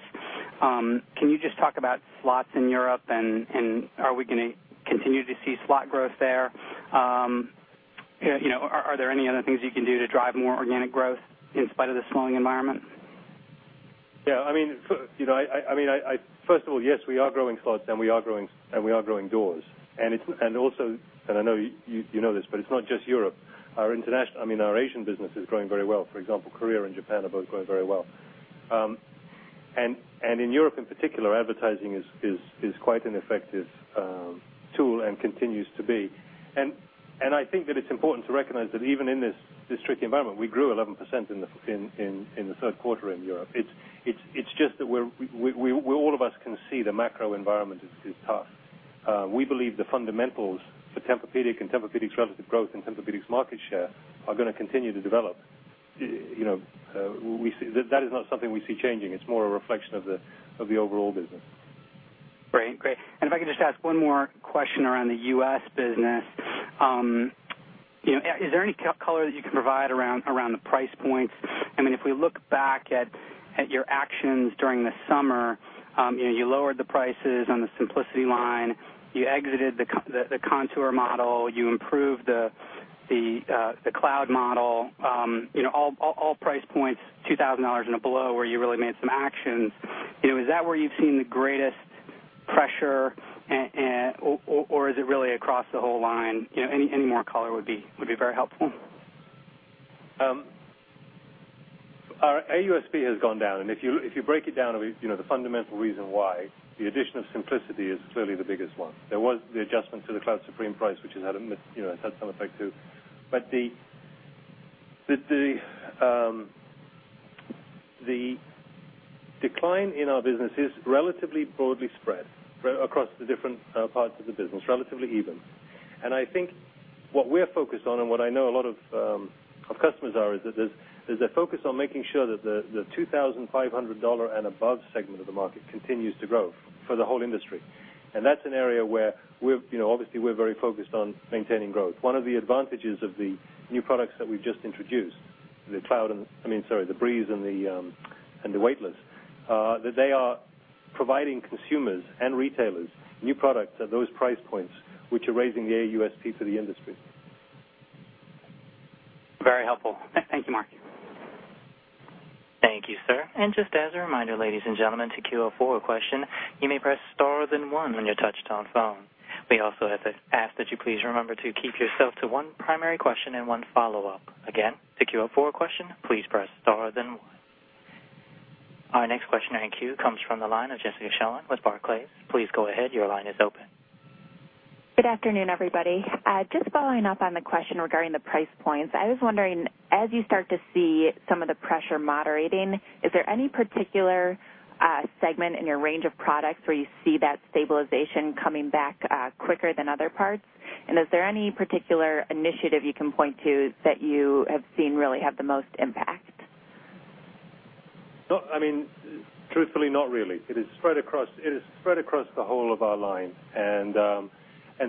Can you just talk about slots in Europe and are we going to continue to see slot growth there? Are there any other things you can do to drive more organic growth in spite of the slowing environment? Yeah. First of all, yes, we are growing slots, and we are growing doors. I know you know this, but it's not just Europe. Our Asian business is growing very well. For example, Korea and Japan are both growing very well. In Europe in particular, advertising is quite an effective tool and continues to be. I think that it's important to recognize that even in this tricky environment, we grew 11% in the third quarter in Europe. It's just that all of us can see the macro environment is tough. We believe the fundamentals for Tempur-Pedic and Tempur-Pedic's relative growth and Tempur-Pedic's market share are going to continue to develop. That is not something we see changing. It's more a reflection of the overall business. Great. If I could just ask one more question around the U.S. business. Is there any color that you can provide around the price points? If we look back at your actions during the summer, you lowered the prices on the TEMPUR-Simplicity line, you exited the TEMPUR-Contour model, you improved the Cloud model. All price points $2,000 and below where you really made some actions. Is that where you've seen the greatest pressure, or is it really across the whole line? Any more color would be very helpful. Our AUSP has gone down. If you break it down, the fundamental reason why the addition of TEMPUR-Simplicity is clearly the biggest one. There was the adjustment to the TEMPUR-Cloud Supreme price, which has had some effect too. The decline in our business is relatively broadly spread across the different parts of the business, relatively even. I think what we're focused on, and what I know a lot of customers are, is the focus on making sure that the $2,500 and above segment of the market continues to grow for the whole industry. That's an area where obviously we're very focused on maintaining growth. One of the advantages of the new products that we've just introduced, the TEMPUR-Breeze and the Weightless, that they are providing consumers and retailers new products at those price points which are raising the AUSP for the industry. Very helpful. Thank you, Mark. Thank you, sir. Just as a reminder, ladies and gentlemen, to queue up for a question, you may press star then one on your touch-tone phone. We also ask that you please remember to keep yourself to one primary question and one follow-up. Again, to queue up for a question, please press star then one. Our next question in our queue comes from the line of Jessica Shellon with Barclays. Please go ahead. Your line is open. Good afternoon, everybody. Just following up on the question regarding the price points. I was wondering, as you start to see some of the pressure moderating, is there any particular segment in your range of products where you see that stabilization coming back quicker than other parts? Is there any particular initiative you can point to that you have seen really have the most impact? Truthfully, not really. It is spread across the whole of our line.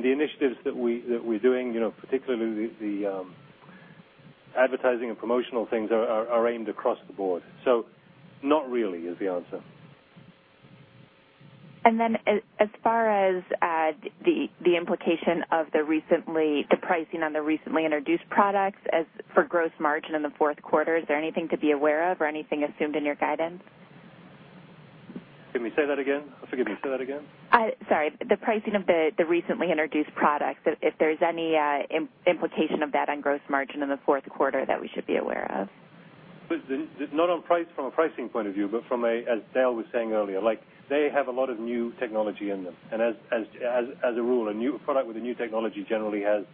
The initiatives that we're doing, particularly the advertising and promotional things, are aimed across the board. Not really is the answer. As far as the implication of the pricing on the recently introduced products As for gross margin in the fourth quarter, is there anything to be aware of or anything assumed in your guidance? Forgive me, say that again. Sorry. The pricing of the recently introduced products, if there's any implication of that on gross margin in the fourth quarter that we should be aware of. Not from a pricing point of view, but as Dale was saying earlier, they have a lot of new technology in them. As a rule, a new product with a new technology generally has.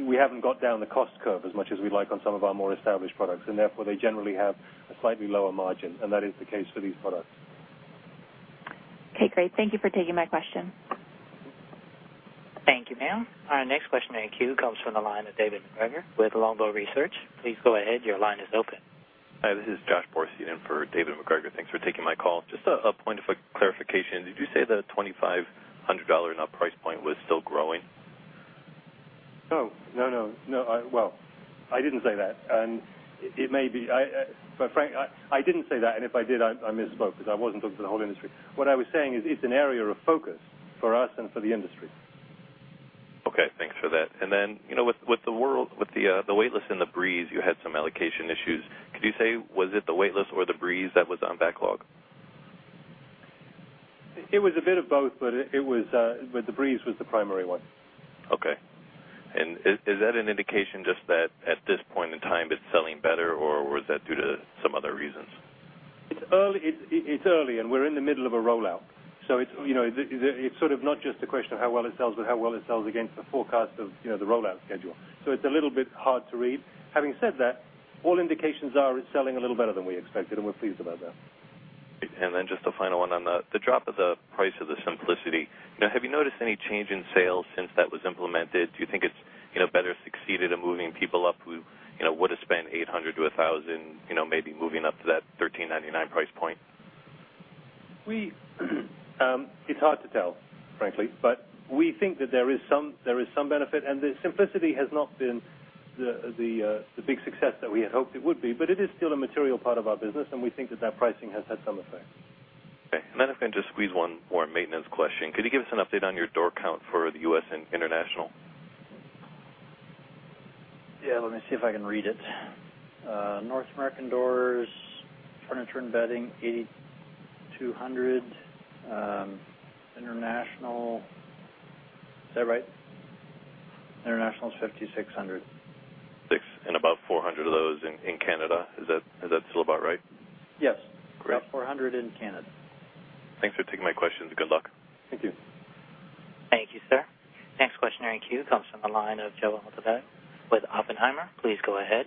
We haven't got down the cost curve as much as we'd like on some of our more established products, and therefore, they generally have a slightly lower margin, and that is the case for these products. Okay, great. Thank you for taking my question. Thank you, ma'am. Our next question in queue comes from the line of David Macgregor with Longbow Research. Please go ahead. Your line is open. Hi, this is Josh Borstein in for David Macgregor. Thanks for taking my call. Just a point of clarification. Did you say the $2,500 and up price point was still growing? No. Well, I didn't say that. Frankly, I didn't say that, and if I did, I misspoke because I wasn't talking for the whole industry. What I was saying is it's an area of focus for us and for the industry. Okay. Thanks for that. Then, with the Weightless and the TEMPUR-Breeze, you had some allocation issues. Could you say, was it the Weightless or the TEMPUR-Breeze that was on backlog? It was a bit of both, but the TEMPUR-Breeze was the primary one. Okay. Is that an indication just that at this point in time, it's selling better or was that due to some other reasons? It's early, we're in the middle of a rollout. It's sort of not just a question of how well it sells, but how well it sells against the forecast of the rollout schedule. It's a little bit hard to read. Having said that, all indications are it's selling a little better than we expected, and we're pleased about that. Just a final one on the drop of the price of the TEMPUR-Simplicity. Now, have you noticed any change in sales since that was implemented? Do you think it's better succeeded at moving people up who would've spent $800-$1,000, maybe moving up to that $1,399 price point? It's hard to tell, frankly. We think that there is some benefit, and the TEMPUR-Simplicity has not been the big success that we had hoped it would be, but it is still a material part of our business, and we think that that pricing has had some effect. Okay, then if I can just squeeze one more maintenance question. Could you give us an update on your door count for the U.S. and international? Yeah, let me see if I can read it. North American doors, furniture, and bedding, 8,200. International. Is that right? International is 5,600. Six. About 400 of those in Canada. Is that still about right? Yes. Great. About 400 in Canada. Thanks for taking my questions. Good luck. Thank you. Thank you, sir. Next question in our queue comes from the line of Joe Altobello with Oppenheimer. Please go ahead.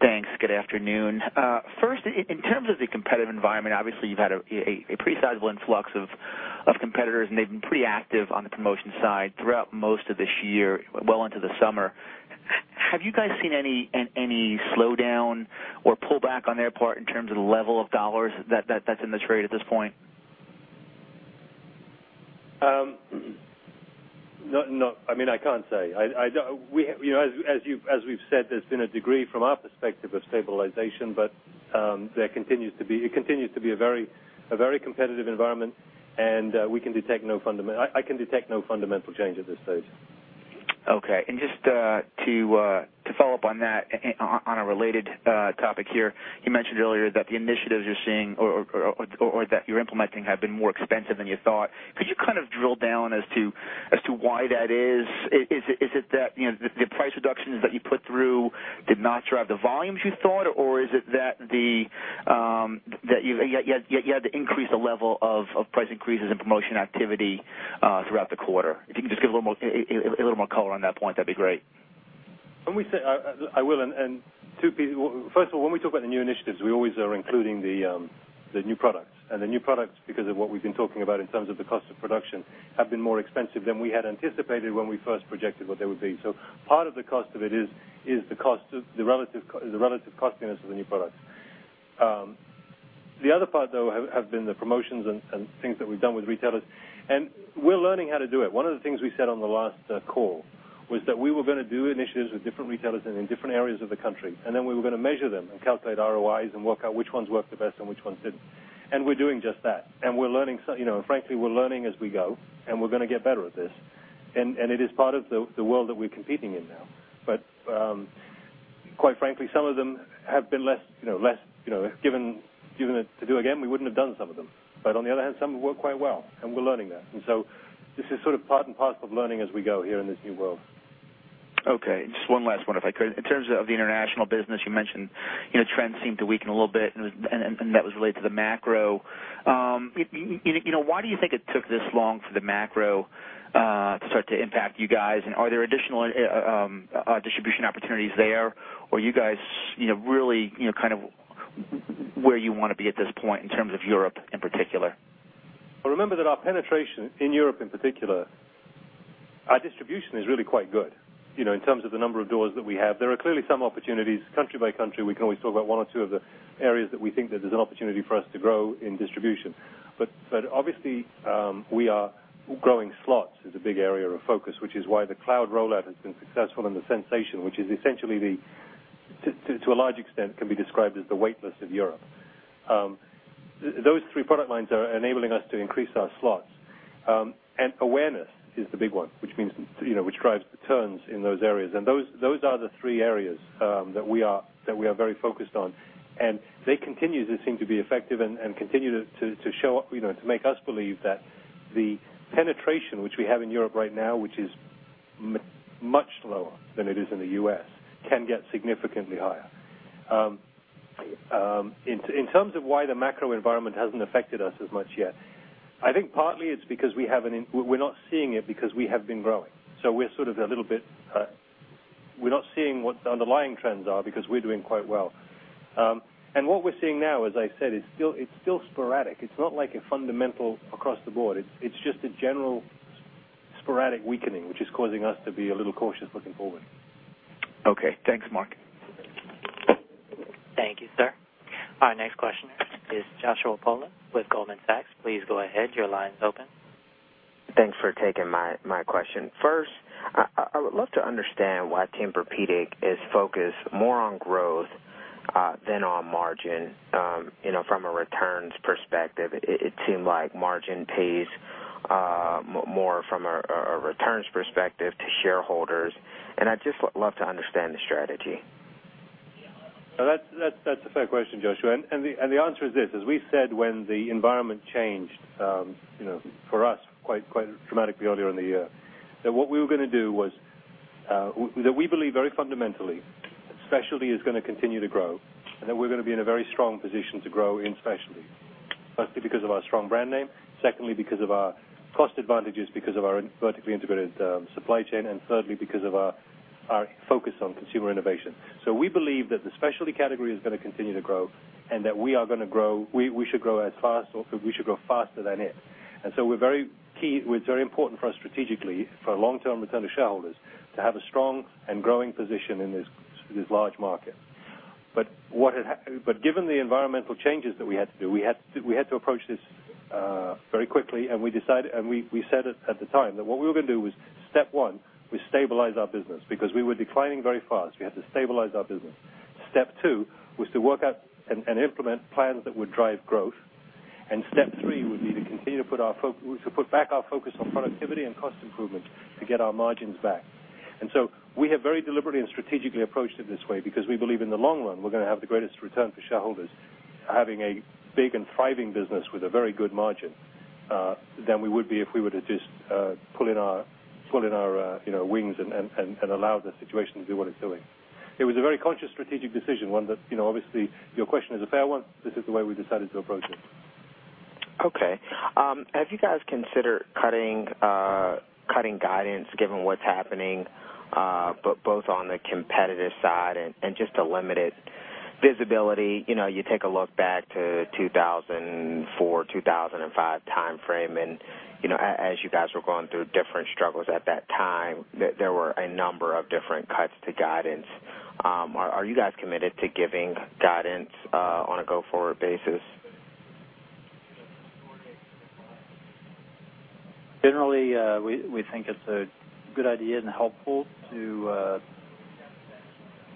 Thanks. Good afternoon. In terms of the competitive environment, obviously you've had a pretty sizable influx of competitors, and they've been pretty active on the promotion side throughout most of this year, well into the summer. Have you guys seen any slowdown or pullback on their part in terms of the level of dollars that's in the trade at this point? No. I can't say. As we've said, there's been a degree from our perspective of stabilization, but it continues to be a very competitive environment, and I can detect no fundamental change at this stage. Okay. Just to follow up on that, on a related topic here, you mentioned earlier that the initiatives you're seeing or that you're implementing have been more expensive than you thought. Could you kind of drill down as to why that is? Is it that the price reductions that you put through did not drive the volumes you thought, or is it that you had to increase the level of price increases and promotion activity throughout the quarter? If you can just give a little more color on that point, that'd be great. I will. First of all, when we talk about the new initiatives, we always are including the new products. The new products, because of what we've been talking about in terms of the cost of production, have been more expensive than we had anticipated when we first projected what they would be. Part of the cost of it is the relative costliness of the new products. The other part, though, have been the promotions and things that we've done with retailers, and we're learning how to do it. One of the things we said on the last call was that we were going to do initiatives with different retailers and in different areas of the country, then we were going to measure them and calculate ROIs and work out which ones worked the best and which ones didn't. We're doing just that. Frankly, we're learning as we go, and we're going to get better at this. It is part of the world that we're competing in now. Quite frankly, some of them have been less Given it to do again, we wouldn't have done some of them. On the other hand, some have worked quite well, and we're learning that. This is sort of part and parcel of learning as we go here in this new world. Okay. Just one last one, if I could. In terms of the international business, you mentioned trends seem to weaken a little bit, and that was related to the macro. Why do you think it took this long for the macro to start to impact you guys? Are there additional distribution opportunities there? You guys really kind of where you want to be at this point in terms of Europe in particular? Well, remember that our penetration in Europe in particular, our distribution is really quite good in terms of the number of doors that we have. There are clearly some opportunities country by country. We can always talk about one or two of the areas that we think that there's an opportunity for us to grow in distribution. Obviously, we are growing slots is a big area of focus, which is why the TEMPUR-Cloud rollout has been successful and the Sensation, which is essentially, to a large extent, can be described as the Weightless of Europe. Those three product lines are enabling us to increase our slots. Awareness is the big one, which drives the turns in those areas. Those are the three areas that we are very focused on, and they continue to seem to be effective and continue to show up to make us believe that the penetration which we have in Europe right now, which is much lower than it is in the U.S., can get significantly higher. In terms of why the macro environment hasn't affected us as much yet, I think partly it's because we're not seeing it because we have been growing. We're sort of We're not seeing what the underlying trends are because we're doing quite well. What we're seeing now, as I said, it's still sporadic. It's not like a fundamental across the board. It's just a general sporadic weakening, which is causing us to be a little cautious looking forward. Okay. Thanks, Mark. Thank you, sir. Our next question is Matthew Fassler with Goldman Sachs. Please go ahead. Your line's open. Thanks for taking my question. First, I would love to understand why Tempur-Pedic is focused more on growth than on margin. From a returns perspective, it seemed like margin pays more from a returns perspective to shareholders, I'd just love to understand the strategy. That's a fair question, Matthew. The answer is this: as we've said, when the environment changed for us quite dramatically earlier in the year, we believe very fundamentally that specialty is going to continue to grow and that we're going to be in a very strong position to grow in specialty. Partly because of our strong brand name, secondly because of our cost advantages, because of our vertically integrated supply chain, and thirdly, because of our focus on consumer innovation. We believe that the specialty category is going to continue to grow and that we should grow faster than it. It's very important for us strategically for long-term return to shareholders to have a strong and growing position in this large market. Given the environmental changes that we had to do, we had to approach this very quickly, and we said it at the time that what we were going to do was, step 1, we stabilize our business because we were declining very fast. We had to stabilize our business. Step 2 was to work out and implement plans that would drive growth. Step 3 would be to put back our focus on productivity and cost improvement to get our margins back. We have very deliberately and strategically approached it this way because we believe in the long run, we're going to have the greatest return for shareholders having a big and thriving business with a very good margin, than we would be if we were to just pull in our wings and allow the situation to do what it's doing. It was a very conscious strategic decision. Obviously, your question is a fair one. This is the way we decided to approach it. Okay. Have you guys considered cutting guidance given what's happening, both on the competitive side and just the limited visibility? You take a look back to 2004, 2005 timeframe, as you guys were going through different struggles at that time, there were a number of different cuts to guidance. Are you guys committed to giving guidance on a go-forward basis? Generally, we think it's a good idea and helpful to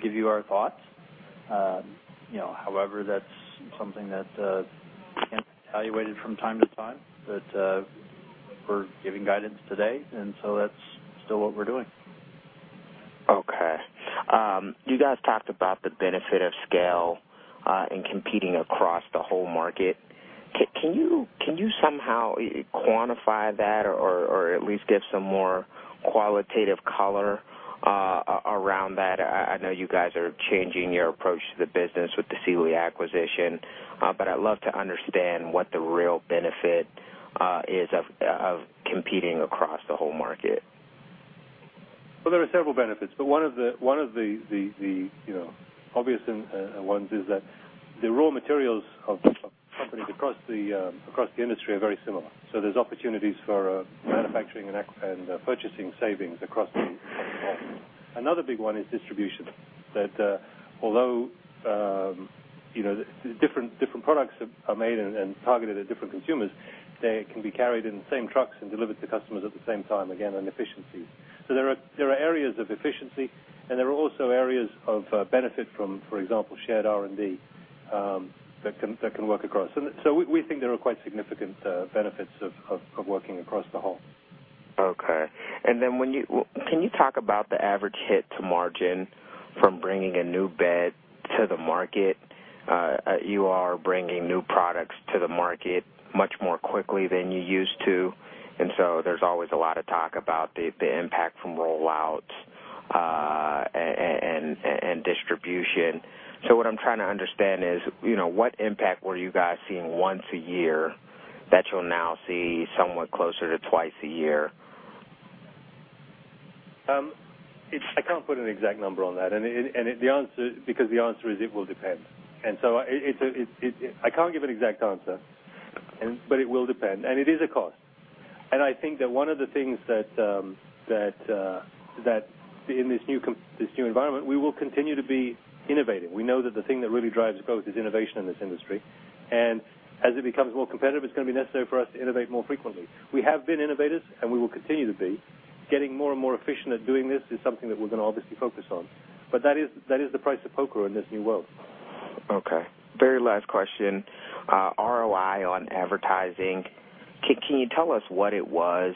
give you our thoughts. However, that's something that's evaluated from time to time. We're giving guidance today, that's still what we're doing. Okay. You guys talked about the benefit of scale, in competing across the whole market. Can you somehow quantify that or at least give some more qualitative color around that? I know you guys are changing your approach to the business with the Sealy acquisition. I'd love to understand what the real benefit is of competing across the whole market. There are several benefits, but one of the obvious ones is that the raw materials of companies across the industry are very similar. There are opportunities for manufacturing and purchasing savings across the whole. Another big one is distribution. That although different products are made and targeted at different consumers, they can be carried in the same trucks and delivered to customers at the same time, again, on efficiency. There are areas of efficiency, and there are also areas of benefit from, for example, shared R&D, that can work across. We think there are quite significant benefits of working across the whole. Okay. Can you talk about the average hit to margin from bringing a new bed to the market? You are bringing new products to the market much more quickly than you used to, and there's always a lot of talk about the impact from roll-outs and distribution. What I'm trying to understand is, what impact were you guys seeing once a year that you'll now see somewhat closer to twice a year? I can't put an exact number on that because the answer is it will depend. I can't give an exact answer, but it will depend, and it is a cost. I think that one of the things that in this new environment, we will continue to be innovative. We know that the thing that really drives growth is innovation in this industry. As it becomes more competitive, it's going to be necessary for us to innovate more frequently. We have been innovative, and we will continue to be. Getting more and more efficient at doing this is something that we're going to obviously focus on. That is the price of poker in this new world. Okay. Very last question. ROI on advertising. Can you tell us what it was,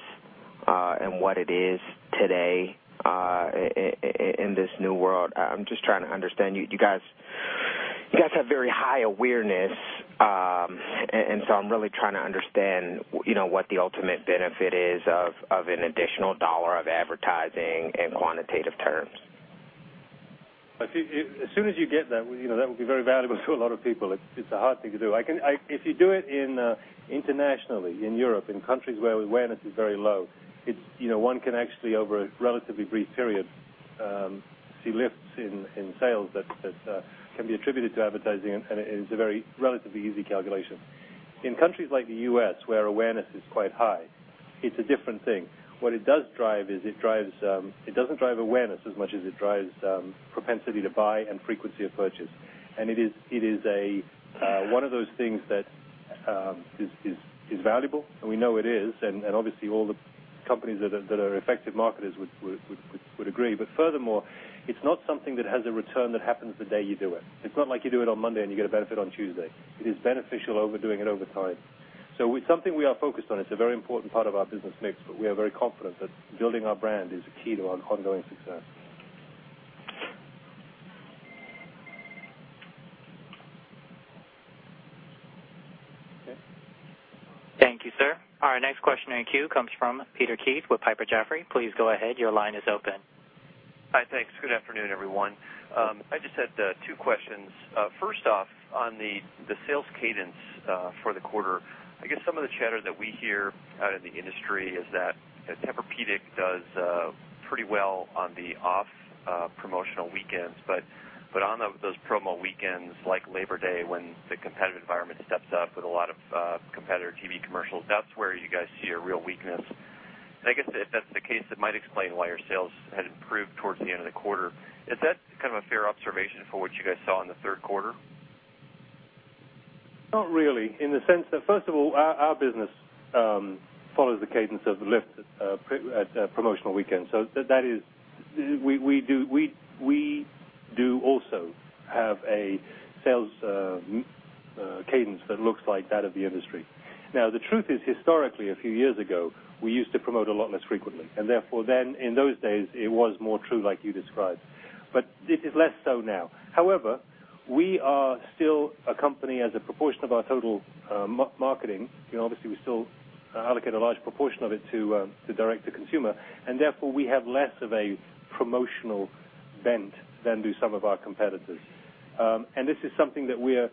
and what it is today, in this new world? I'm just trying to understand. You guys have very high awareness, and I'm really trying to understand what the ultimate benefit is of an additional dollar of advertising in quantitative terms. As soon as you get that would be very valuable to a lot of people. It's a hard thing to do. If you do it internationally, in Europe, in countries where awareness is very low, one can actually, over a relatively brief period, see lifts in sales that can be attributed to advertising, and it's a very relatively easy calculation. In countries like the U.S., where awareness is quite high, it's a different thing. What it does drive is it doesn't drive awareness as much as it drives propensity to buy and frequency of purchase. It is one of those things that is valuable, and we know it is. Obviously all the companies that are effective marketers would agree. Furthermore, it's not something that has a return that happens the day you do it. It's not like you do it on Monday and you get a benefit on Tuesday. It is beneficial doing it over time. It's something we are focused on. It's a very important part of our business mix, we are very confident that building our brand is key to our ongoing success. Okay. Thank you, sir. Our next question in queue comes from Peter Keith with Piper Jaffray. Please go ahead. Your line is open. Hi, thanks. Good afternoon, everyone. I just had two questions. First off, on the sales cadence for the quarter. I guess some of the chatter that we hear out in the industry is that Tempur-Pedic does pretty well on the off promotional weekends, but on those promo weekends, like Labor Day, when the competitive environment steps up with a lot of competitor TV commercials, that's where you guys see a real weakness. I guess if that's the case, it might explain why your sales had improved towards the end of the quarter. Is that kind of a fair observation for what you guys saw in the third quarter? Not really. In the sense that, first of all, our business follows the cadence of the lift at promotional weekends. We do also have a sales cadence that looks like that of the industry. The truth is, historically, a few years ago, we used to promote a lot less frequently, and therefore then in those days it was more true, like you described. It is less so now. However, we are still a company as a proportion of our total marketing. Obviously, we still allocate a large proportion of it to direct-to-consumer, and therefore we have less of a promotional bent than do some of our competitors. This is something that we're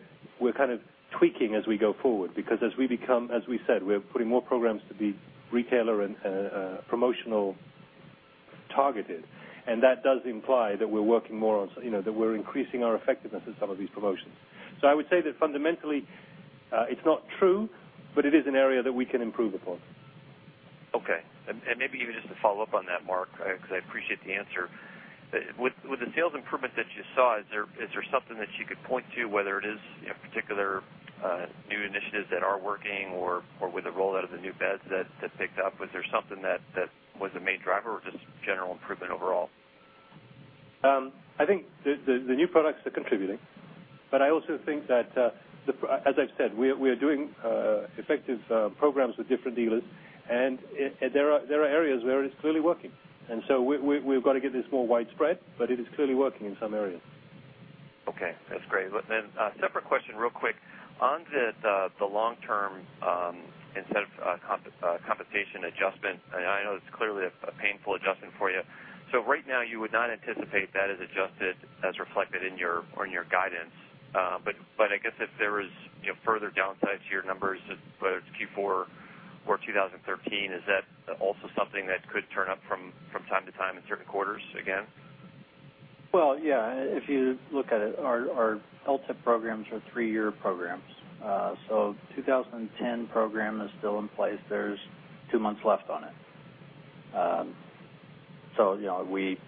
kind of tweaking as we go forward because as we said, we're putting more programs to be retailer and promotional targeted, and that does imply that we're increasing our effectiveness in some of these promotions. I would say that fundamentally it's not true, but it is an area that we can improve upon. Okay. Maybe even just to follow up on that, Mark, because I appreciate the answer. With the sales improvement that you saw, is there something that you could point to, whether it is particular new initiatives that are working or with the rollout of the new beds that picked up? Was there something that was a main driver or just general improvement overall? I think the new products are contributing, but I also think that, as I've said, we are doing effective programs with different dealers, and there are areas where it is clearly working. We've got to get this more widespread, but it is clearly working in some areas. A separate question real quick. On the long-term incentive compensation adjustment, I know it's clearly a painful adjustment for you. Right now you would not anticipate that is adjusted as reflected in your guidance. I guess if there is further downside to your numbers, whether it's Q4 or 2013, is that also something that could turn up from time to time in certain quarters again? Yeah. If you look at it, our LTIP programs are three-year programs. 2010 program is still in place. There's two months left on it. We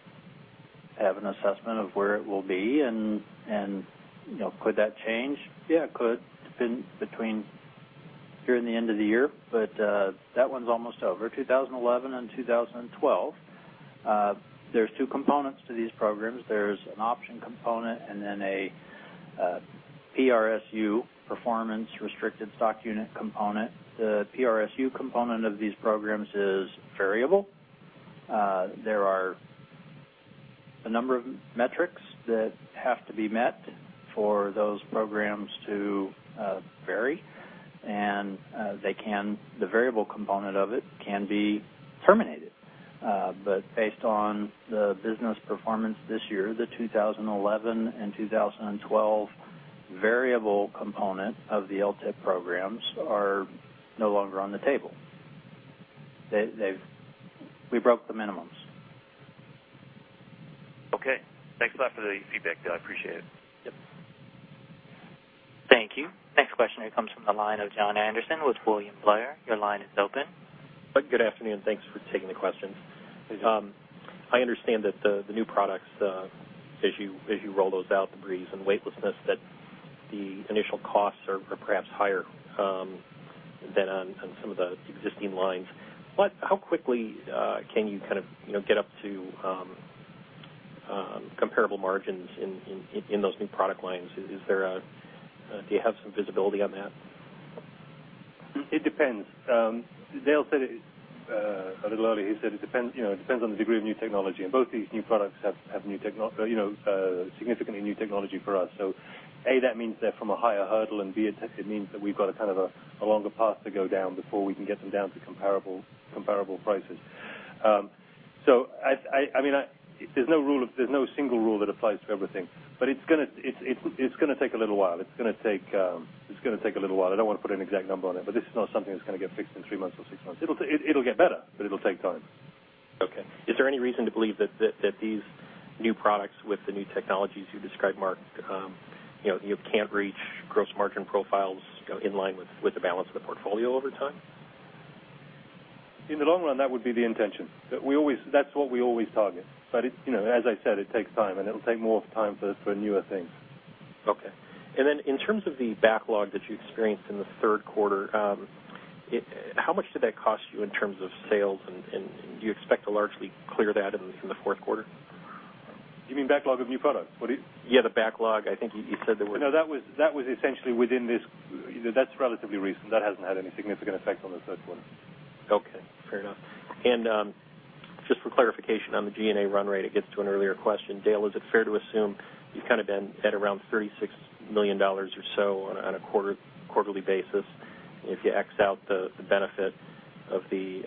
have an assessment of where it will be and could that change? Yeah, it could, between here and the end of the year, but that one's almost over. 2011 and 2012, there's two components to these programs. There's an option component and a PRSU, performance restricted stock unit component. The PRSU component of these programs is variable. There are a number of metrics that have to be met for those programs to vary, and the variable component of it can be terminated. Based on the business performance this year, the 2011 and 2012 variable component of the LTIP programs are no longer on the table. We broke the minimums. Okay. Thanks a lot for the feedback, Dale. I appreciate it. Yep. Thank you. Next questioner comes from the line of John Anderson with William Blair. Your line is open. Good afternoon. Thanks for taking the questions. Please. I understand that the new products as you roll those out, the TEMPUR-Breeze and TEMPUR-Weightless, that the initial costs are perhaps higher than on some of the existing lines. How quickly can you kind of get up to comparable margins in those new product lines? Do you have some visibility on that? It depends. Dale said it a little earlier. He said it depends on the degree of new technology, both these new products have significantly new technology for us. A, that means they're from a higher hurdle, B, it means that we've got a longer path to go down before we can get them down to comparable prices. There's no single rule that applies to everything. It's going to take a little while. I don't want to put an exact number on it, but this is not something that's going to get fixed in three months or six months. It'll get better, but it'll take time. Okay. Is there any reason to believe that these new products with the new technologies you described, Mark, you can't reach gross margin profiles in line with the balance of the portfolio over time? In the long run, that would be the intention. That's what we always target. As I said, it takes time, and it'll take more time for newer things. Okay. In terms of the backlog that you experienced in the third quarter, how much did that cost you in terms of sales, and do you expect to largely clear that in the fourth quarter? You mean backlog of new products? Yeah, the backlog. No, that was essentially That's relatively recent. That hasn't had any significant effect on the third quarter. Okay. Fair enough. Just for clarification on the G&A run rate, it gets to an earlier question. Dale, is it fair to assume you've kind of been at around $36 million or so on a quarterly basis if you X out the benefit of the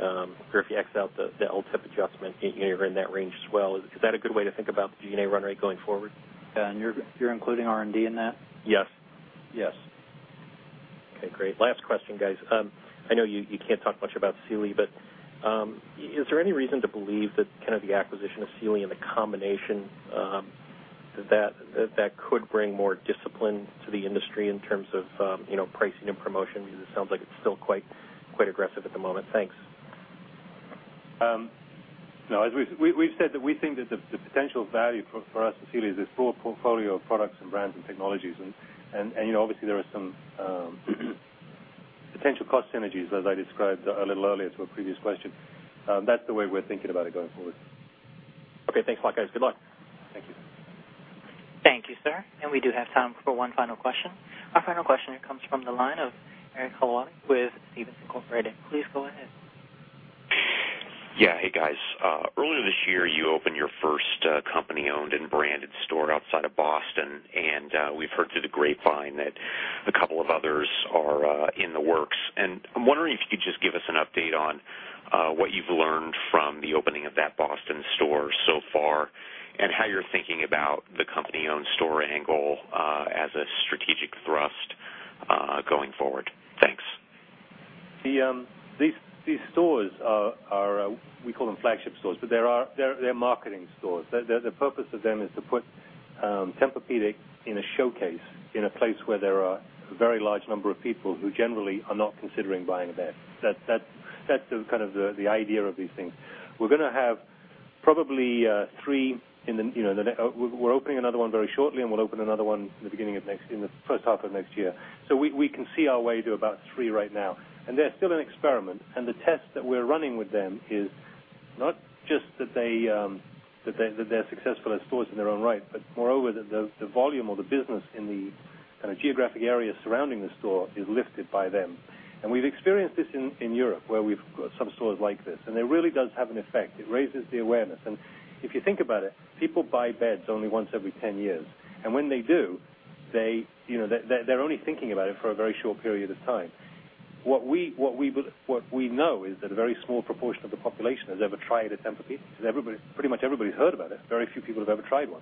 or if you X out the LTIP adjustment, you're in that range as well. Is that a good way to think about the G&A run rate going forward? You're including R&D in that? Yes. Yes. Okay, great. Last question, guys. I know you can't talk much about Sealy, is there any reason to believe that kind of the acquisition of Sealy and the combination, that could bring more discipline to the industry in terms of pricing and promotion? It sounds like it's still quite aggressive at the moment. Thanks. No. We've said that we think that the potential value for us at Sealy is this full portfolio of products and brands and technologies, obviously, there are some potential cost synergies, as I described a little earlier to a previous question. That's the way we're thinking about it going forward. Okay. Thanks a lot, guys. Good luck. Thank you. Thank you, sir. We do have time for one final question. Our final question comes from the line of Eric Wold with Stephens Inc.. Please go ahead. Yeah. Hey, guys. Earlier this year, you opened your first company-owned and branded store outside of Boston. We've heard through the grapevine that a couple of others are in the works. I'm wondering if you could just give us an update on what you've learned from the opening of that Boston store so far and how you're thinking about the company-owned store angle as a strategic thrust going forward. Thanks. These stores are, we call them flagship stores, but they're marketing stores. The purpose of them is to put Tempur-Pedic in a showcase, in a place where there are a very large number of people who generally are not considering buying a bed. That's kind of the idea of these things. We're going to have probably three. We're opening another one very shortly, and we'll open another one in the first half of next year. We can see our way to about three right now. They're still an experiment, and the test that we're running with them is not just that they're successful as stores in their own right, but moreover, that the volume or the business in the geographic area surrounding the store is lifted by them. We've experienced this in Europe, where we've got some stores like this, and it really does have an effect. It raises the awareness. If you think about it, people buy beds only once every 10 years. When they do, they're only thinking about it for a very short period of time. What we know is that a very small proportion of the population has ever tried a Tempur-Pedic, because pretty much everybody's heard about it. Very few people have ever tried one.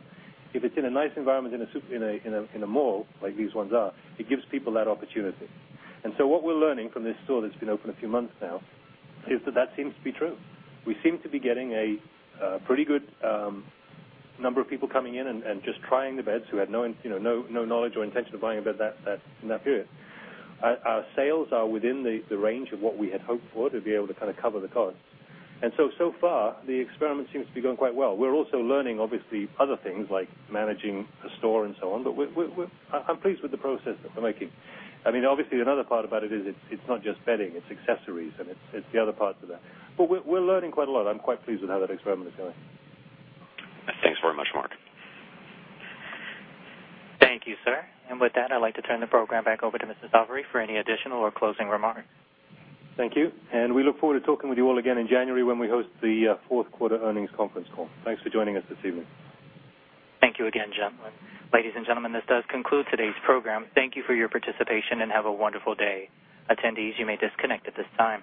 If it's in a nice environment in a mall, like these ones are, it gives people that opportunity. What we're learning from this store that's been open a few months now is that that seems to be true. We seem to be getting a pretty good number of people coming in and just trying the beds who had no knowledge or intention of buying a bed in that period. Our sales are within the range of what we had hoped for to be able to kind of cover the costs. So far, the experiment seems to be going quite well. We're also learning, obviously, other things like managing a store and so on. I'm pleased with the process that we're making. Obviously, another part about it is it's not just bedding, it's accessories, and it's the other parts of that. We're learning quite a lot. I'm quite pleased with how that experiment is going. Thanks very much, Mark. Thank you, sir. With that, I'd like to turn the program back over to Mr. Sarvary for any additional or closing remarks. Thank you. We look forward to talking with you all again in January when we host the fourth quarter earnings conference call. Thanks for joining us this evening. Thank you again, gentlemen. Ladies and gentlemen, this does conclude today's program. Thank you for your participation and have a wonderful day. Attendees, you may disconnect at this time.